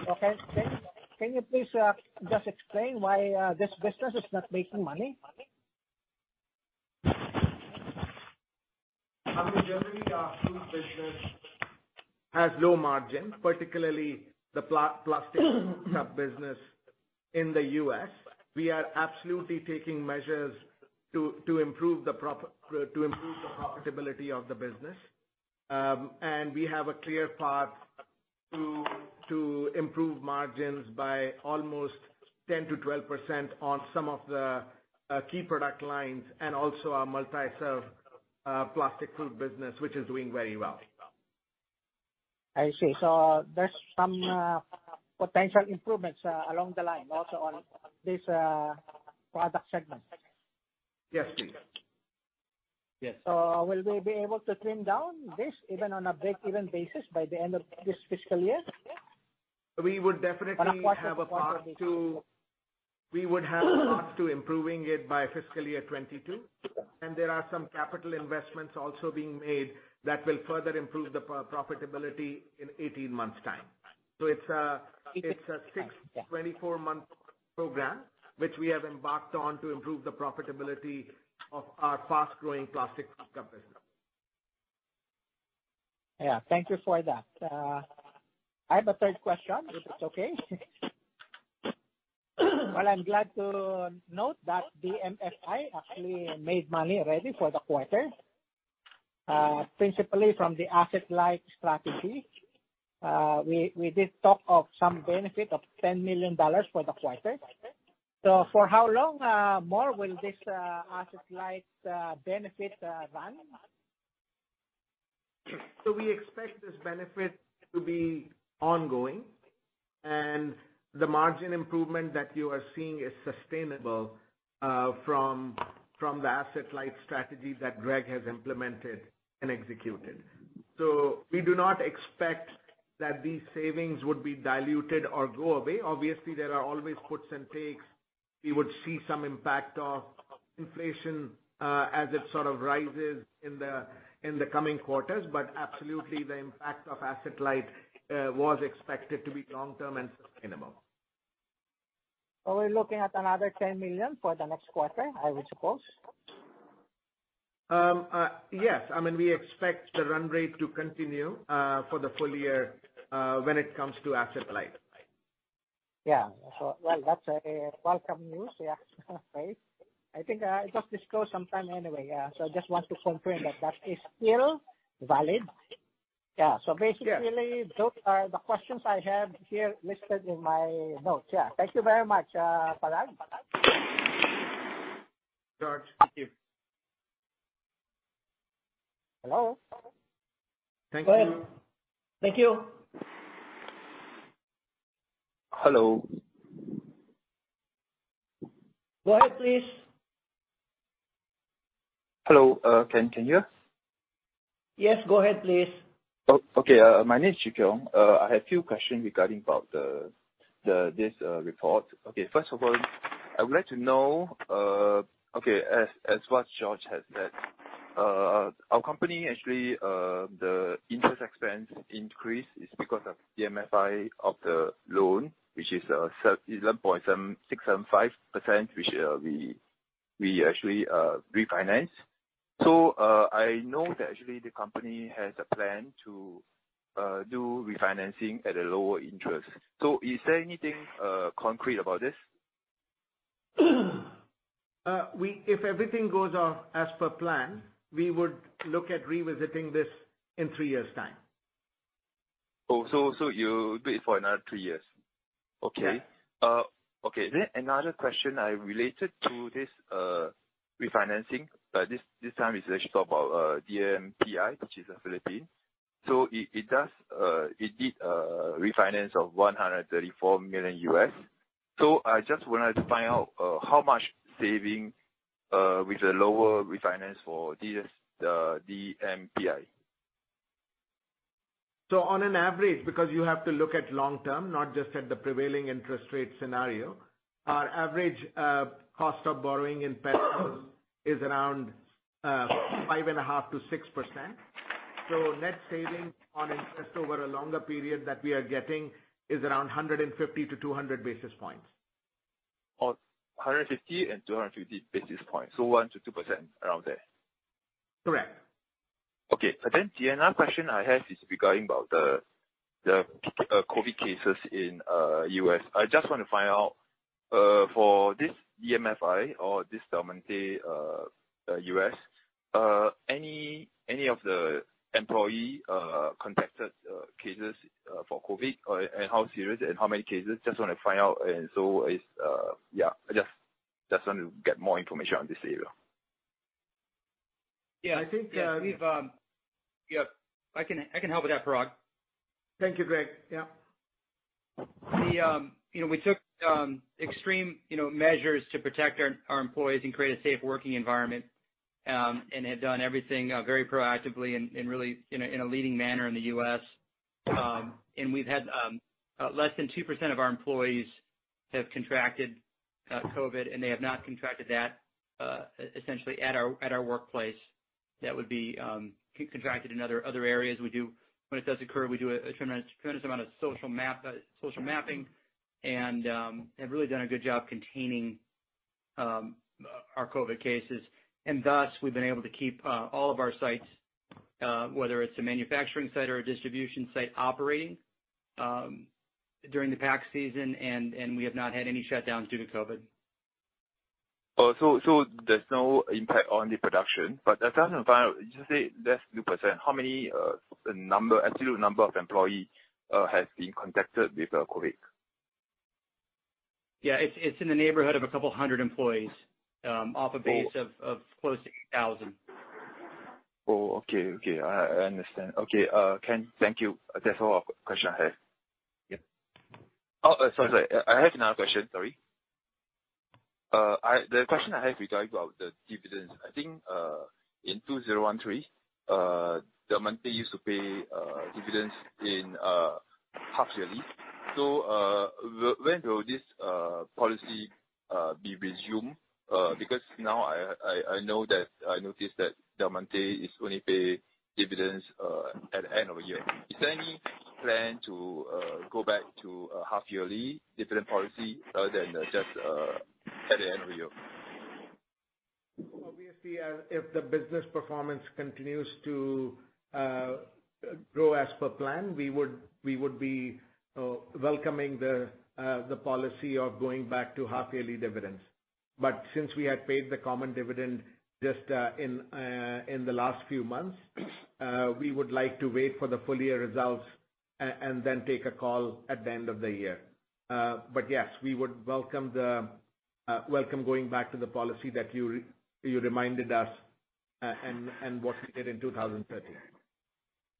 Okay. Can you please just explain why this business is not making money? Generally, our food business has low margins, particularly the plastic cup business in the U.S. We are absolutely taking measures to improve the profitability of the business. We have a clear path to improve margins by almost 10%-12% on some of the key product lines and also our multi-serve plastic fruit business, which is doing very well. I see. There's some potential improvements along the line also on this product segment. Yes, please. Will we be able to trim down this even on a break-even basis by the end of this fiscal year? We would definitely. On a quarter-over-quarter basis. A path to improving it by fiscal year 2022. There are some capital investments also being made that will further improve the profitability in 18 months' time. It's a 6-24 month program, which we have embarked on to improve the profitability of our fast-growing plastic cup business. Yeah. Thank you for that. I have a third question, if it's okay. Well, I'm glad to note that DMFI actually made money already for the quarter, principally from the asset-light strategy. We did talk of some benefit of $10 million for the quarter. For how long more will this asset-light benefit run? We expect this benefit to be ongoing, and the margin improvement that you are seeing is sustainable from the asset-light strategy that Greg has implemented and executed. We do not expect that these savings would be diluted or go away. Obviously, there are always puts and takes. We would see some impact of inflation as it sort of rises in the coming quarters. Absolutely, the impact of asset-light was expected to be long-term and sustainable. Are we looking at another $10 million for the next quarter, I would suppose? Yes. We expect the run rate to continue for the full year when it comes to asset-light. Yeah. That's a welcome news. Yeah. Right. I think it got disclosed sometime anyway. I just want to confirm that that is still valid. Yeah. Yeah. Basically, those are the questions I have here listed in my notes. Yeah. Thank you very much, Parag. George, thank you. Hello? Go ahead. Thank you. Hello. Go ahead, please. Hello, can you hear? Yes, go ahead, please. Oh, okay. My name is Chee Kiong. I have few questions regarding this report. Okay. First of all, I would like to know, as what George has said, our company actually, the interest expense increase is because of DMFI of the loan, which is 11.675%, which we actually refinance. I know that actually the company has a plan to do refinancing at a lower interest. Is there anything concrete about this? If everything goes off as per plan, we would look at revisiting this in three years' time. Oh, you do it for another two years? Yeah. Another question related to this refinancing, but this time it's actually about DMPI, which is a Philippine. It did a refinance of $134 million. I just wanted to find out how much saving with the lower refinance for DMPI. On an average, because you have to look at long-term, not just at the prevailing interest rate scenario, our average cost of borrowing in PHP is around 5.5%-6%. Net savings on interest over a longer period that we are getting is around 150-200 basis points. 150 and 250 basis points. 1%-2%, around there. Correct. Okay. Then the another question I have is regarding about the COVID-19 cases in U.S. I just want to find out for this DMFI or this Del Monte U.S., any of the employee contacted cases for COVID-19, and how serious, and how many cases? Just want to find out. It's Yeah, I just want to get more information on this area. Yeah, I think, Yeah. Yeah. I can help with that, Parag. Thank you, Greg. Yeah. We took extreme measures to protect our employees and create a safe working environment, and have done everything very proactively and really in a leading manner in the U.S. We've had less than 2% of our employees have contracted COVID, they have not contracted that essentially at our workplace. That would be contracted in other areas we do. When it does occur, we do a tremendous amount of social mapping and have really done a good job containing our COVID cases. Thus, we've been able to keep all of our sites, whether it's a manufacturing site or a distribution site, operating during the pack season. We have not had any shutdowns due to COVID. There's no impact on the production. I just want to verify, you say that's 2%. How many absolute number of employee has been contacted with COVID? Yeah. It's in the neighborhood of a couple hundred employees off a base of close to 8,000. Oh, okay. I understand. Okay. Greg, thank you. That's all question I have. Yeah. Oh, sorry. I have another question, sorry. The question I have regarding about the dividends. I think, in 2013, Del Monte used to pay dividends in half-yearly. When will this policy be resumed? Because now I know that, I noticed that Del Monte is only pay dividends at the end of the year. Is there any plan to go back to half-yearly dividend policy other than just at the end of the year? Obviously, if the business performance continues to grow as per plan, we would be welcoming the policy of going back to half yearly dividends. Since we had paid the common dividend just in the last few months, we would like to wait for the full year results, and then take a call at the end of the year. Yes, we would welcome going back to the policy that you reminded us, and what we did in 2013.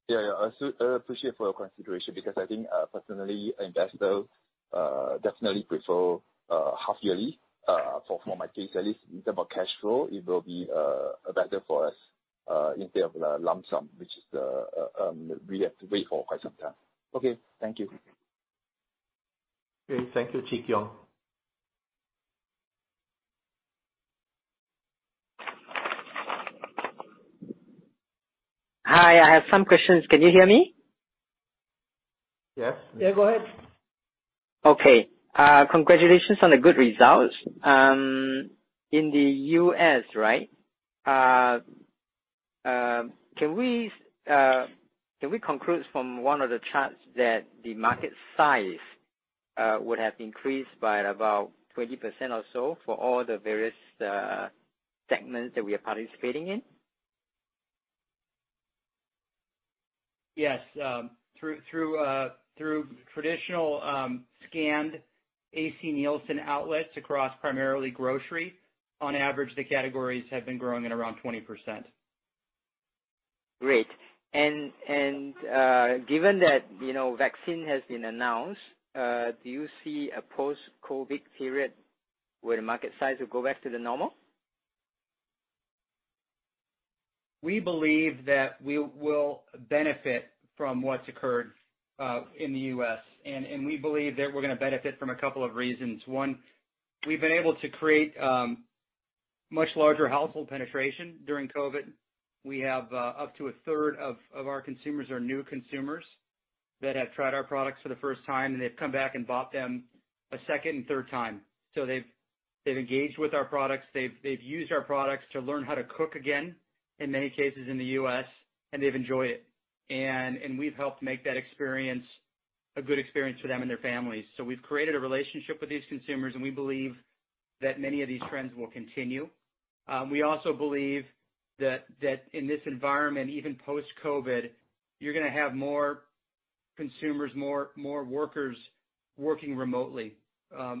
Yeah. I appreciate for your consideration because I think, personally, investor definitely prefer half yearly. For my case at least, in terms of cash flow, it will be better for us instead of the lump sum, which we have to wait for quite some time. Okay. Thank you. Okay. Thank you, Chee Kiong. Hi, I have some questions. Can you hear me? Yes. Yeah, go ahead. Okay. Congratulations on the good results. In the U.S., can we conclude from one of the charts that the market size would have increased by about 20% or so for all the various segments that we are participating in? Yes. Through traditional scanned A.C. Nielsen outlets across primarily grocery, on average, the categories have been growing at around 20%. Great. Given that vaccine has been announced, do you see a post-COVID-19 period where the market size will go back to the normal? We believe that we will benefit from what's occurred, in the U.S. We believe that we're gonna benefit from a couple of reasons. One, we've been able to create much larger household penetration during COVID. We have up to a third of our consumers are new consumers that have tried our products for the first time, and they've come back and bought them a second and third time. They've engaged with our products. They've used our products to learn how to cook again, in many cases in the U.S., and they've enjoyed it. We've helped make that experience a good experience for them and their families. We've created a relationship with these consumers, and we believe that many of these trends will continue. We also believe that in this environment, even post-COVID, you're gonna have more consumers, more workers working remotely.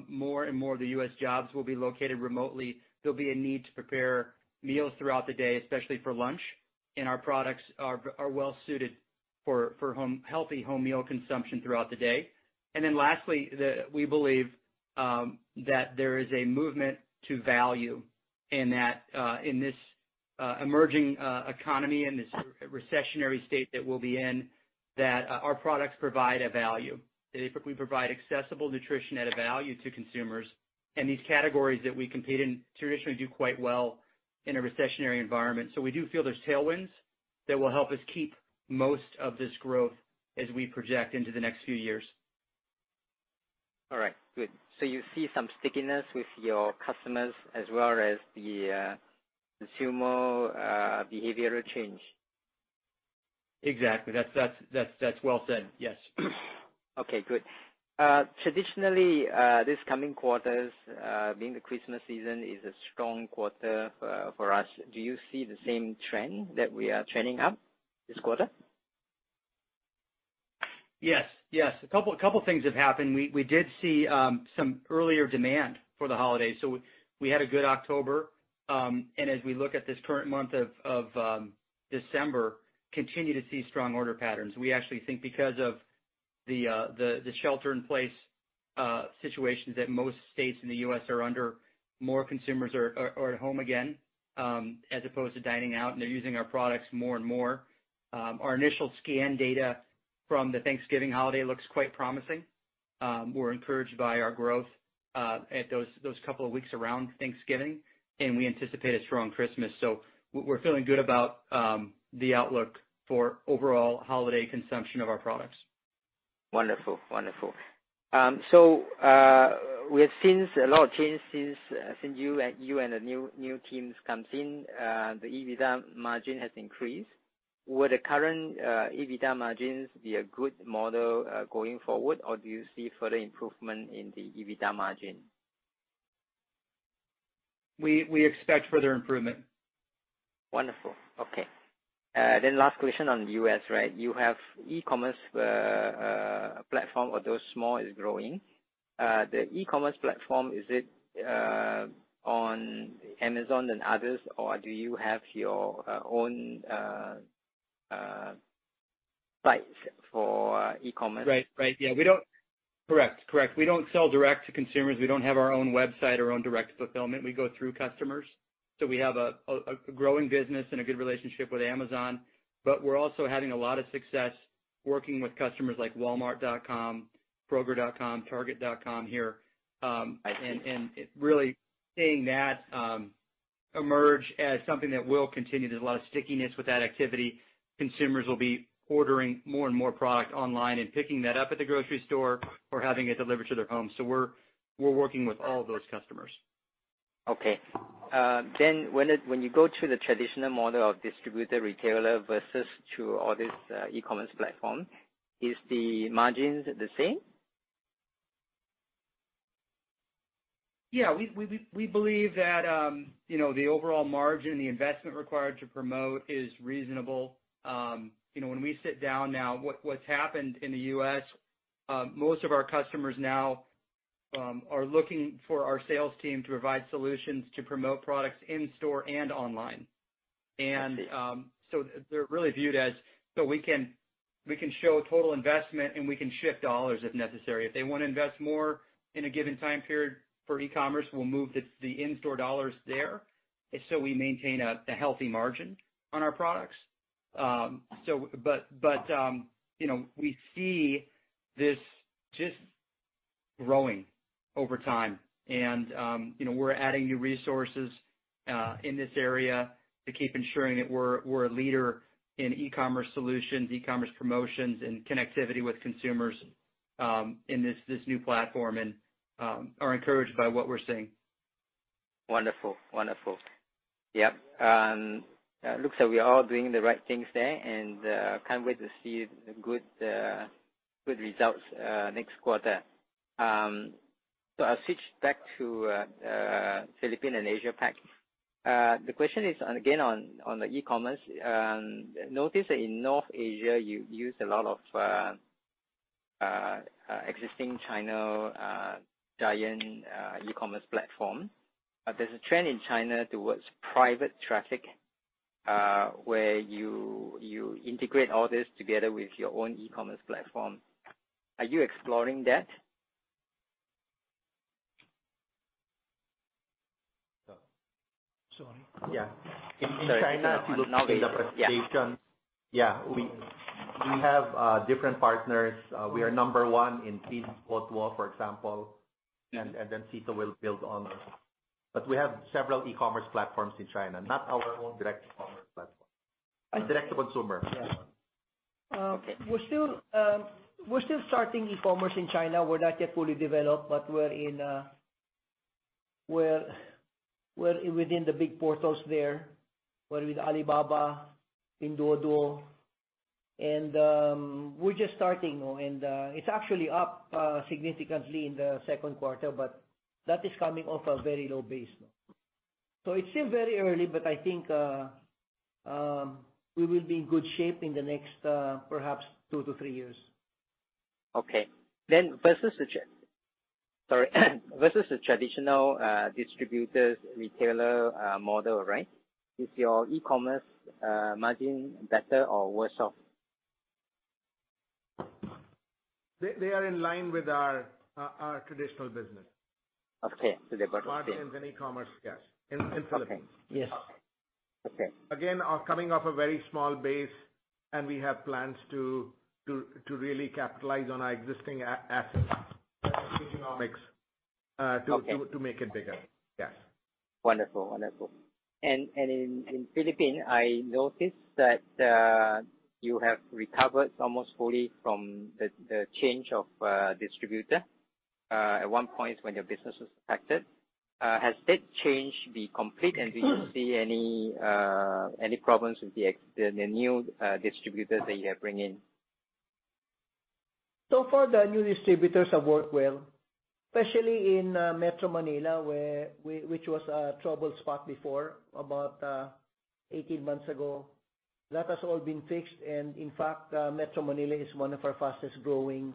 More and more of the U.S. jobs will be located remotely. There'll be a need to prepare meals throughout the day, especially for lunch. Our products are well-suited for healthy home meal consumption throughout the day. Lastly, we believe that there is a movement to value in this emerging economy and this recessionary state that we'll be in, that our products provide a value. If we provide accessible nutrition at a value to consumers, and these categories that we compete in traditionally do quite well in a recessionary environment. We do feel there's tailwinds that will help us keep most of this growth as we project into the next few years. All right. Good. You see some stickiness with your customers as well as the consumer behavioral change? Exactly. That's well said. Yes. Okay, good. Traditionally, this coming quarters, being the Christmas season, is a strong quarter for us. Do you see the same trend, that we are trending up this quarter? Yes. A couple of things have happened. We did see some earlier demand for the holidays. We had a good October. As we look at this current month of December, continue to see strong order patterns. We actually think because of the shelter in place situations that most states in the U.S. are under, more consumers are at home again, as opposed to dining out, and they're using our products more and more. Our initial scan data from the Thanksgiving holiday looks quite promising. We're encouraged by our growth at those couple of weeks around Thanksgiving, and we anticipate a strong Christmas. We're feeling good about the outlook for overall holiday consumption of our products. Wonderful. We have seen a lot of change since you and the new teams came in. The EBITDA margin has increased. Will the current EBITDA margins be a good model going forward, or do you see further improvement in the EBITDA margin? We expect further improvement. Wonderful. Okay. Last question on the U.S. You have e-commerce platform, although small, is growing. The e-commerce platform, is it on Amazon and others, or do you have your own sites for e-commerce? Right. Correct. We don't sell direct to consumers. We don't have our own website, our own direct fulfillment. We go through customers. We have a growing business and a good relationship with Amazon, but we're also having a lot of success working with customers like walmart.com, kroger.com, target.com here. I see. Really seeing that emerge as something that will continue. There's a lot of stickiness with that activity. Consumers will be ordering more and more product online and picking that up at the grocery store or having it delivered to their home. We're working with all of those customers. Okay. When you go to the traditional model of distributor-retailer versus to all this e-commerce platform, is the margins the same? We believe that the overall margin, the investment required to promote is reasonable. When we sit down now, what's happened in the U.S., most of our customers now are looking for our sales team to provide solutions to promote products in-store and online. I see. They're really viewed as, so we can show total investment, and we can shift dollars if necessary. If they want to invest more in a given time period for e-commerce, we'll move the in-store dollars there, so we maintain a healthy margin on our products. We see this just growing over time. We're adding new resources in this area to keep ensuring that we're a leader in e-commerce solutions, e-commerce promotions, and connectivity with consumers in this new platform and are encouraged by what we're seeing. Wonderful. Yep. Looks like we are doing the right things there, and can't wait to see the good results next quarter. I'll switch back to Philippine and Asia PAC. The question is again on the e-commerce. Notice in North Asia, you use a lot of existing China giant e-commerce platform. There's a trend in China towards private traffic, where you integrate all this together with your own e-commerce platform. Are you exploring that? Sorry. Yeah. In China, if you look in the presentation. Yeah, we have different partners. We are number one in Pinduoduo, for example. Yeah. Cito will build on. We have several e-commerce platforms in China, not our own direct commerce platform. I see. Direct to consumer. Yeah. Okay. We're still starting e-commerce in China. We're not yet fully developed, but we're within the big portals there. We're with Alibaba, Pinduoduo, and we're just starting. It's actually up significantly in the second quarter, but that is coming off a very low base. It's still very early, but I think we will be in good shape in the next perhaps 2-3 years. Okay. Sorry. Versus the traditional distributors-retailer model, is your e-commerce margin better or worse off? They are in line with our traditional business. Okay. They're about the same. Margins and e-commerce, yes, in Philippines. Okay. Yes. Okay. Again, coming off a very small base, and we have plans to really capitalize on our existing assets. Okay to make it bigger. Okay. Yes. Wonderful. In Philippine, I noticed that you have recovered almost fully from the change of distributor, at one point when your business was affected. Has that change been complete, and do you see any problems with the new distributor that you have bring in? So far, the new distributors have worked well. Especially in Metro Manila, which was a troubled spot before, about 18 months ago. That has all been fixed, and in fact, Metro Manila is one of our fastest-growing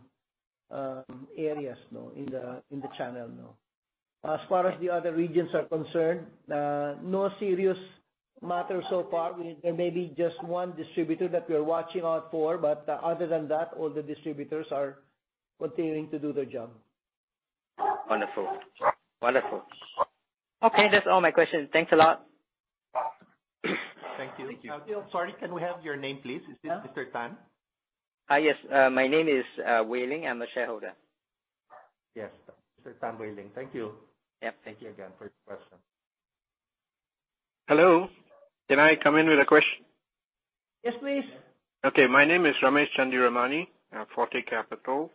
areas now in the channel. As far as the other regions are concerned, no serious matters so far. There may be just one distributor that we are watching out for, but other than that, all the distributors are continuing to do their job. Wonderful. Okay, that's all my questions. Thanks a lot. Thank you. Sorry, can we have your name, please? Is this Mr. Tan? Yes. My name is Wey Ling. I'm a shareholder. Yes. Mr. Tan Wey Ling. Thank you. Yep. Thank you again for your question. Hello. Can I come in with a question? Yes, please. Okay. My name is Ramesh Chandiramani, Forte Capital.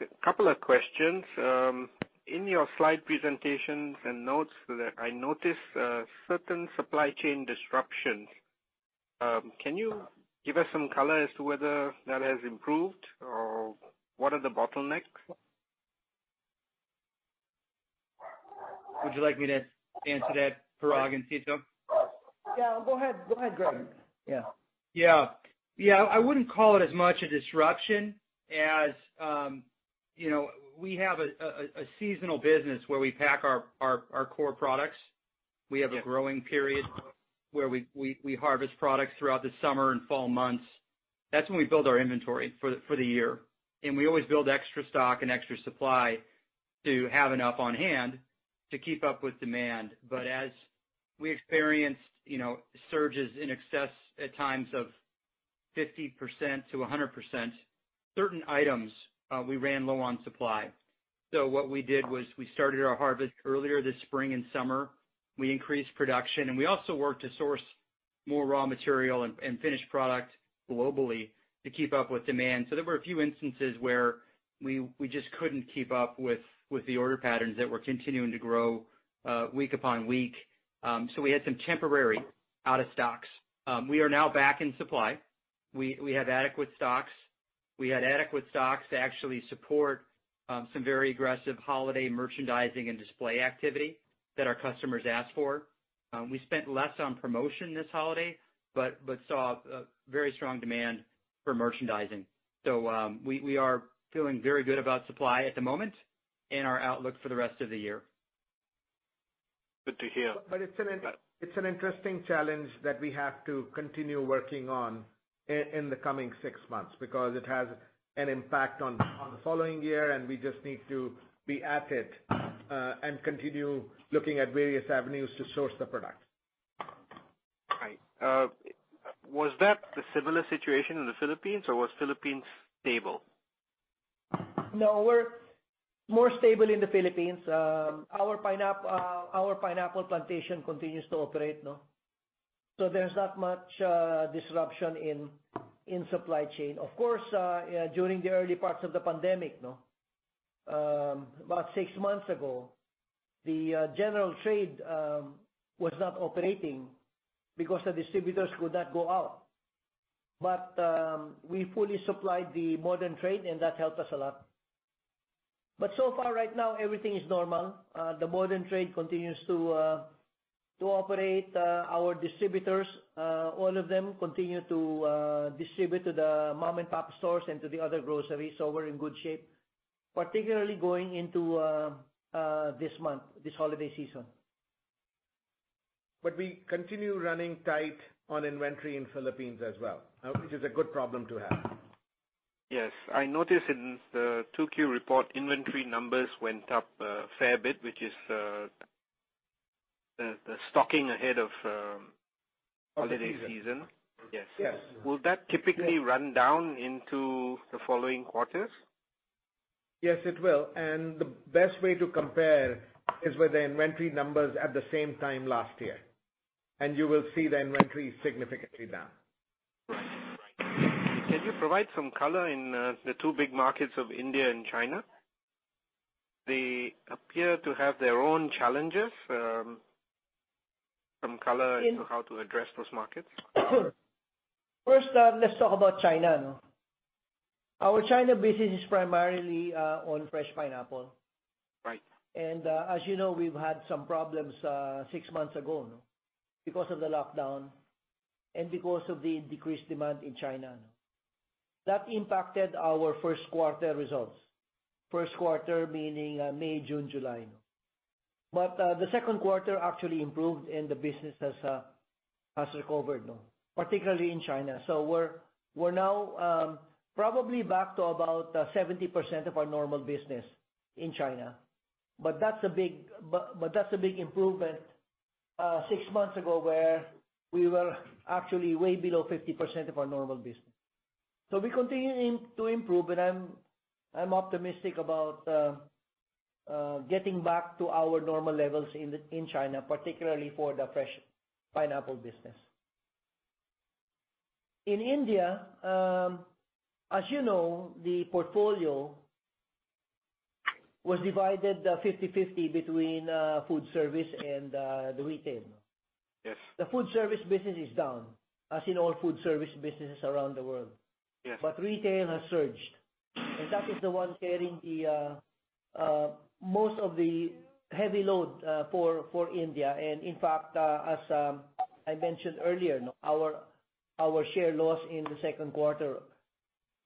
A couple of questions. In your slide presentations and notes, I noticed certain supply chain disruptions. Can you give us some color as to whether that has improved, or what are the bottlenecks? Would you like me to answer that, Parag and Cito? Yeah, go ahead, Greg. Yeah. I wouldn't call it as much a disruption as we have a seasonal business where we pack our core products. We have a growing period where we harvest products throughout the summer and fall months. That's when we build our inventory for the year, and we always build extra stock and extra supply to have enough on hand to keep up with demand. As we experienced surges in excess, at times, of 50%-100%, certain items we ran low on supply. What we did was we started our harvest earlier this spring and summer. We increased production, and we also worked to source more raw material and finished product globally to keep up with demand. There were a few instances where we just couldn't keep up with the order patterns that were continuing to grow week upon week. We had some temporary out of stocks. We are now back in supply. We have adequate stocks. We had adequate stocks to actually support some very aggressive holiday merchandising and display activity that our customers asked for. We spent less on promotion this holiday, but saw a very strong demand for merchandising. We are feeling very good about supply at the moment and our outlook for the rest of the year. Good to hear. It's an interesting challenge that we have to continue working on in the coming six months because it has an impact on the following year, and we just need to be at it and continue looking at various avenues to source the product. Right. Was that the similar situation in the Philippines, or was Philippines stable? We're more stable in the Philippines. Our pineapple plantation continues to operate. There's not much disruption in supply chain. Of course, during the early parts of the pandemic, about six months ago, the general trade was not operating because the distributors could not go out. We fully supplied the modern trade, and that helped us a lot. Far right now, everything is normal. The modern trade continues to operate. Our distributors, all of them continue to distribute to the mom-and-pop stores and to the other groceries. We're in good shape, particularly going into this month, this holiday season. We continue running tight on inventory in Philippines as well, which is a good problem to have. Yes. I noticed in the 2Q report, inventory numbers went up a fair bit, which is the stocking ahead of holiday season. Holiday season. Yes. Yes. Will that typically run down into the following quarters? Yes, it will. The best way to compare is with the inventory numbers at the same time last year, and you will see the inventory significantly down. Right. Can you provide some color in the two big markets of India and China? They appear to have their own challenges. Some color into how to address those markets. Sure. First, let's talk about China. Our China business is primarily on fresh pineapple. Right. As you know, we've had some problems six months ago because of the lockdown and because of the decreased demand in China. That impacted our first quarter results. First quarter meaning May, June, July. The second quarter actually improved, and the business has recovered, particularly in China. We're now probably back to about 70% of our normal business in China. That's a big improvement six months ago, where we were actually way below 50% of our normal business. We continue to improve, and I'm optimistic about getting back to our normal levels in China, particularly for the fresh pineapple business. In India, as you know, the portfolio was divided 50/50 between food service and the retail. Yes. The food service business is down, as in all food service businesses around the world. Yes. Retail has surged, and that is the one carrying most of the heavy load for India. In fact, as I mentioned earlier, our share loss in the second quarter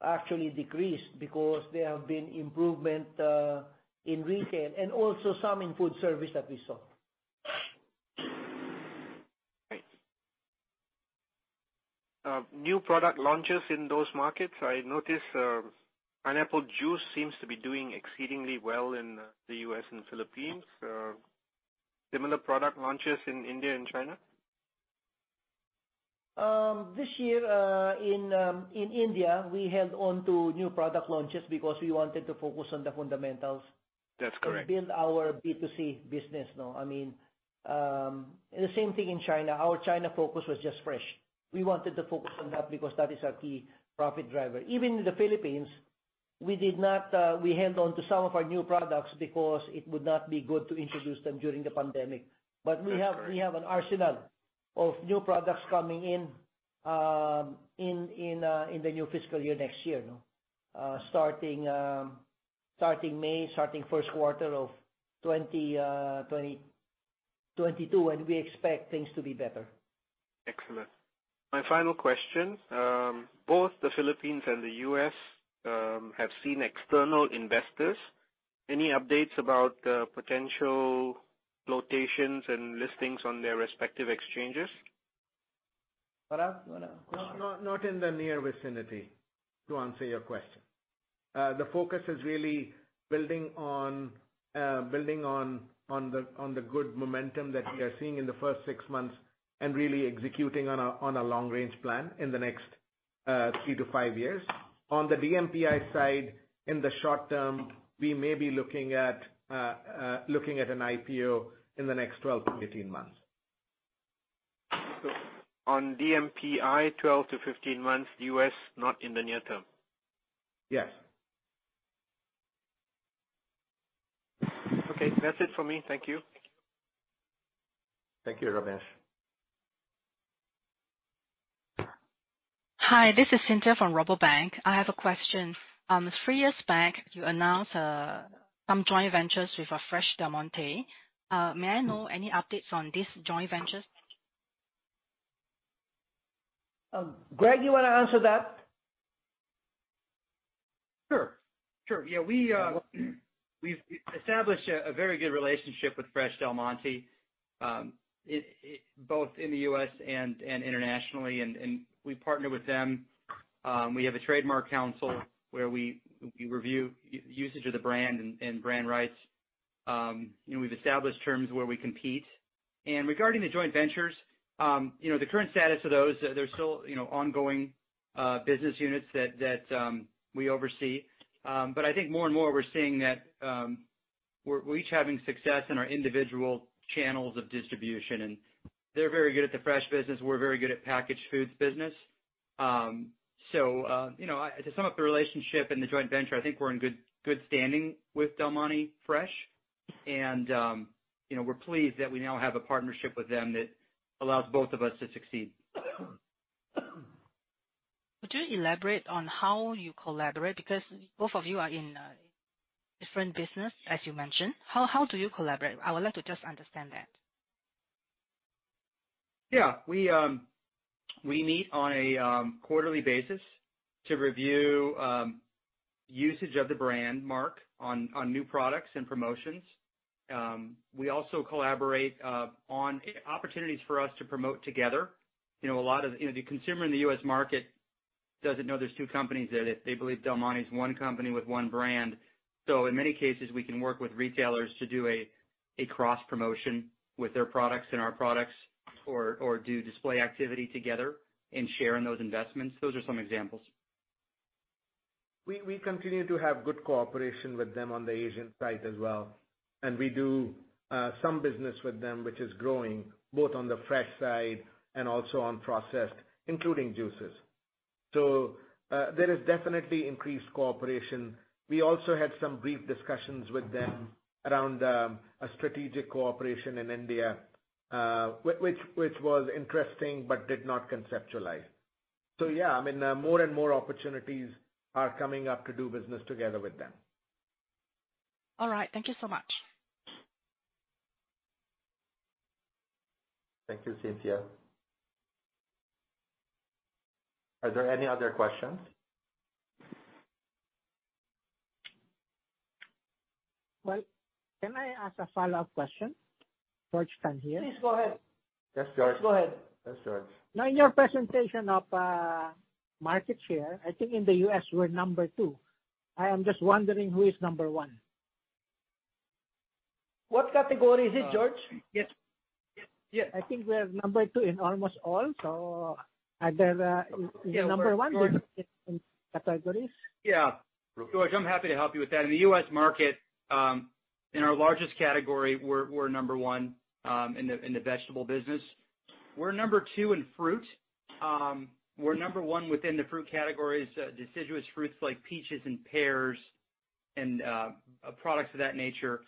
actually decreased because there have been improvement in retail and also some in food service that we saw. Great. New product launches in those markets, I noticed pineapple juice seems to be doing exceedingly well in the U.S. and Philippines. Similar product launches in India and China? This year in India, we held onto new product launches because we wanted to focus on the fundamentals. That's correct. Build our B2C business now. The same thing in China. Our China focus was just fresh. We wanted to focus on that because that is our key profit driver. Even in the Philippines, we held on to some of our new products because it would not be good to introduce them during the pandemic. That's right. We have an arsenal of new products coming in the new fiscal year next year. Starting May, starting first quarter of 2022, and we expect things to be better. Excellent. My final question. Both the Philippines and the U.S. have seen external investors. Any updates about potential flotations and listings on their respective exchanges? Parag, you want to? Not in the near vicinity, to answer your question. The focus is really building on the good momentum that we are seeing in the first six months, and really executing on a long range plan in the next 3-5 years. On the DMPI side, in the short term, we may be looking at an IPO in the next 12-15 months. On DMPI, 12-15 months. U.S., not in the near term. Yes. Okay. That's it for me. Thank you. Thank you, Ramesh. Hi, this is Cynthia from Rabobank. I have a question. Three years back, you announced some joint ventures with Fresh Del Monte. May I know any updates on these joint ventures? Greg, you want to answer that? Sure. We've established a very good relationship with Fresh Del Monte, both in the U.S. and internationally, and we partner with them. We have a trademark council where we review usage of the brand and brand rights. We've established terms where we compete. Regarding the joint ventures, the current status of those, they're still ongoing business units that we oversee. I think more and more we're seeing that we're each having success in our individual channels of distribution, and they're very good at the fresh business. We're very good at packaged foods business. To sum up the relationship and the joint venture, I think we're in good standing with Fresh Del Monte. We're pleased that we now have a partnership with them that allows both of us to succeed. Would you elaborate on how you collaborate? Because both of you are in different business, as you mentioned. How do you collaborate? I would like to just understand that. Yeah. We meet on a quarterly basis to review usage of the brand mark on new products and promotions. We also collaborate on opportunities for us to promote together. The consumer in the U.S. market doesn't know there's two companies there. They believe Del Monte is one company with one brand. In many cases, we can work with retailers to do a cross promotion with their products and our products or do display activity together and share in those investments. Those are some examples. We continue to have good cooperation with them on the Asian side as well, and we do some business with them, which is growing both on the fresh side and also on processed, including juices. There is definitely increased cooperation. We also had some brief discussions with them around a strategic cooperation in India, which was interesting but did not conceptualize. Yeah, more and more opportunities are coming up to do business together with them. All right. Thank you so much. Thank you, Cynthia. Are there any other questions? Well, can I ask a follow-up question? George Tan here. Please go ahead. Yes, George. Go ahead. Yes, George. In your presentation of market share, I think in the U.S., you were number two. I am just wondering who is number one. What category is it, George? Yes. Yeah. I think we are number two in almost all. Are there number one different categories? Yeah. Greg. George, I'm happy to help you with that. In the U.S. market, in our largest category, we're number one, in the vegetable business. We're number two in fruit. We're number one within the fruit categories, deciduous fruits like peaches and pears. Products of that nature.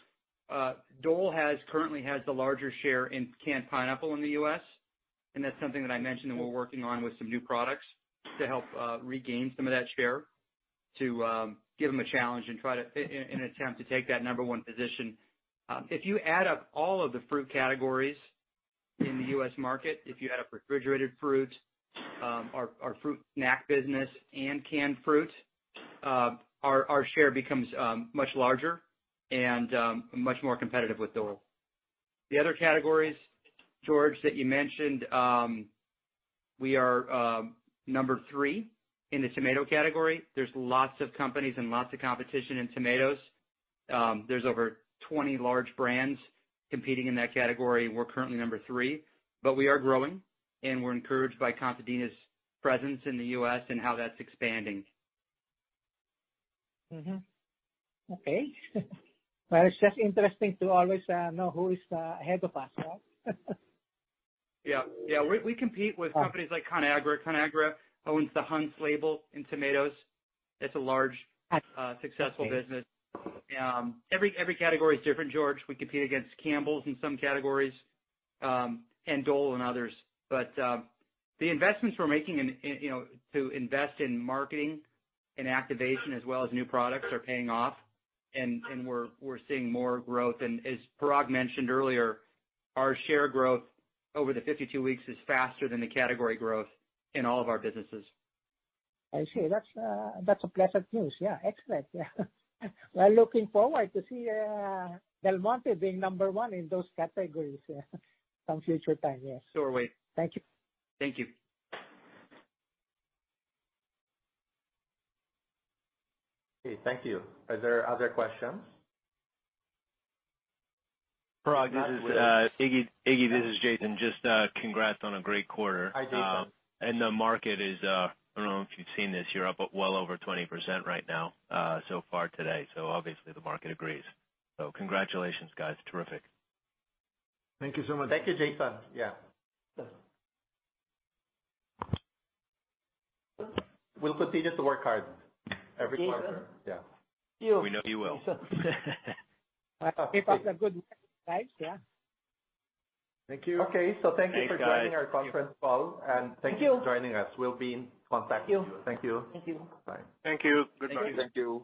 Dole currently has the larger share in canned pineapple in the U.S. That's something that I mentioned that we're working on with some new products to help regain some of that share, to give them a challenge in attempt to take that number one position. If you add up all of the fruit categories in the U.S. market, if you add up refrigerated fruit, our fruit snack business and canned fruit, our share becomes much larger and much more competitive with Dole. The other categories, George, that you mentioned, we are number three in the tomato category. There's lots of companies and lots of competition in tomatoes. There's over 20 large brands competing in that category. We're currently number three, but we are growing, and we're encouraged by Contadina's presence in the U.S. and how that's expanding. Okay. Well, it's just interesting to always know who is ahead of us. Yeah. We compete with companies like Conagra. Conagra owns the Hunt's label in tomatoes. Okay successful business. Every category is different, George. We compete against Campbell's in some categories, and Dole in others. The investments we're making to invest in marketing and activation as well as new products are paying off, and we're seeing more growth. As Parag mentioned earlier, our share growth over the 52 weeks is faster than the category growth in all of our businesses. I see. That's a pleasant news. Yeah. Excellent. We're looking forward to see Del Monte being number one in those categories some future time, yes. Are we. Thank you. Thank you. Okay, thank you. Are there other questions? Parag, this is Iggy. This is Jason. Just congrats on a great quarter. Hi, Jason. The market is, I don't know if you've seen this, you're up well over 20% right now so far today. Obviously the market agrees. Congratulations, guys. Terrific. Thank you so much. Thank you, Jason. Yeah. We'll continue to work hard every quarter. Jason. Yeah. Thank you. We know you will. Hope it was a good guys, yeah. Thank you. Okay. Thank you. Thanks, guys. joining our conference call, and thank you. Thank you for joining us. We'll be in contact. Thank you. Thank you. Thank you. Bye. Thank you. Goodbye. Thank you.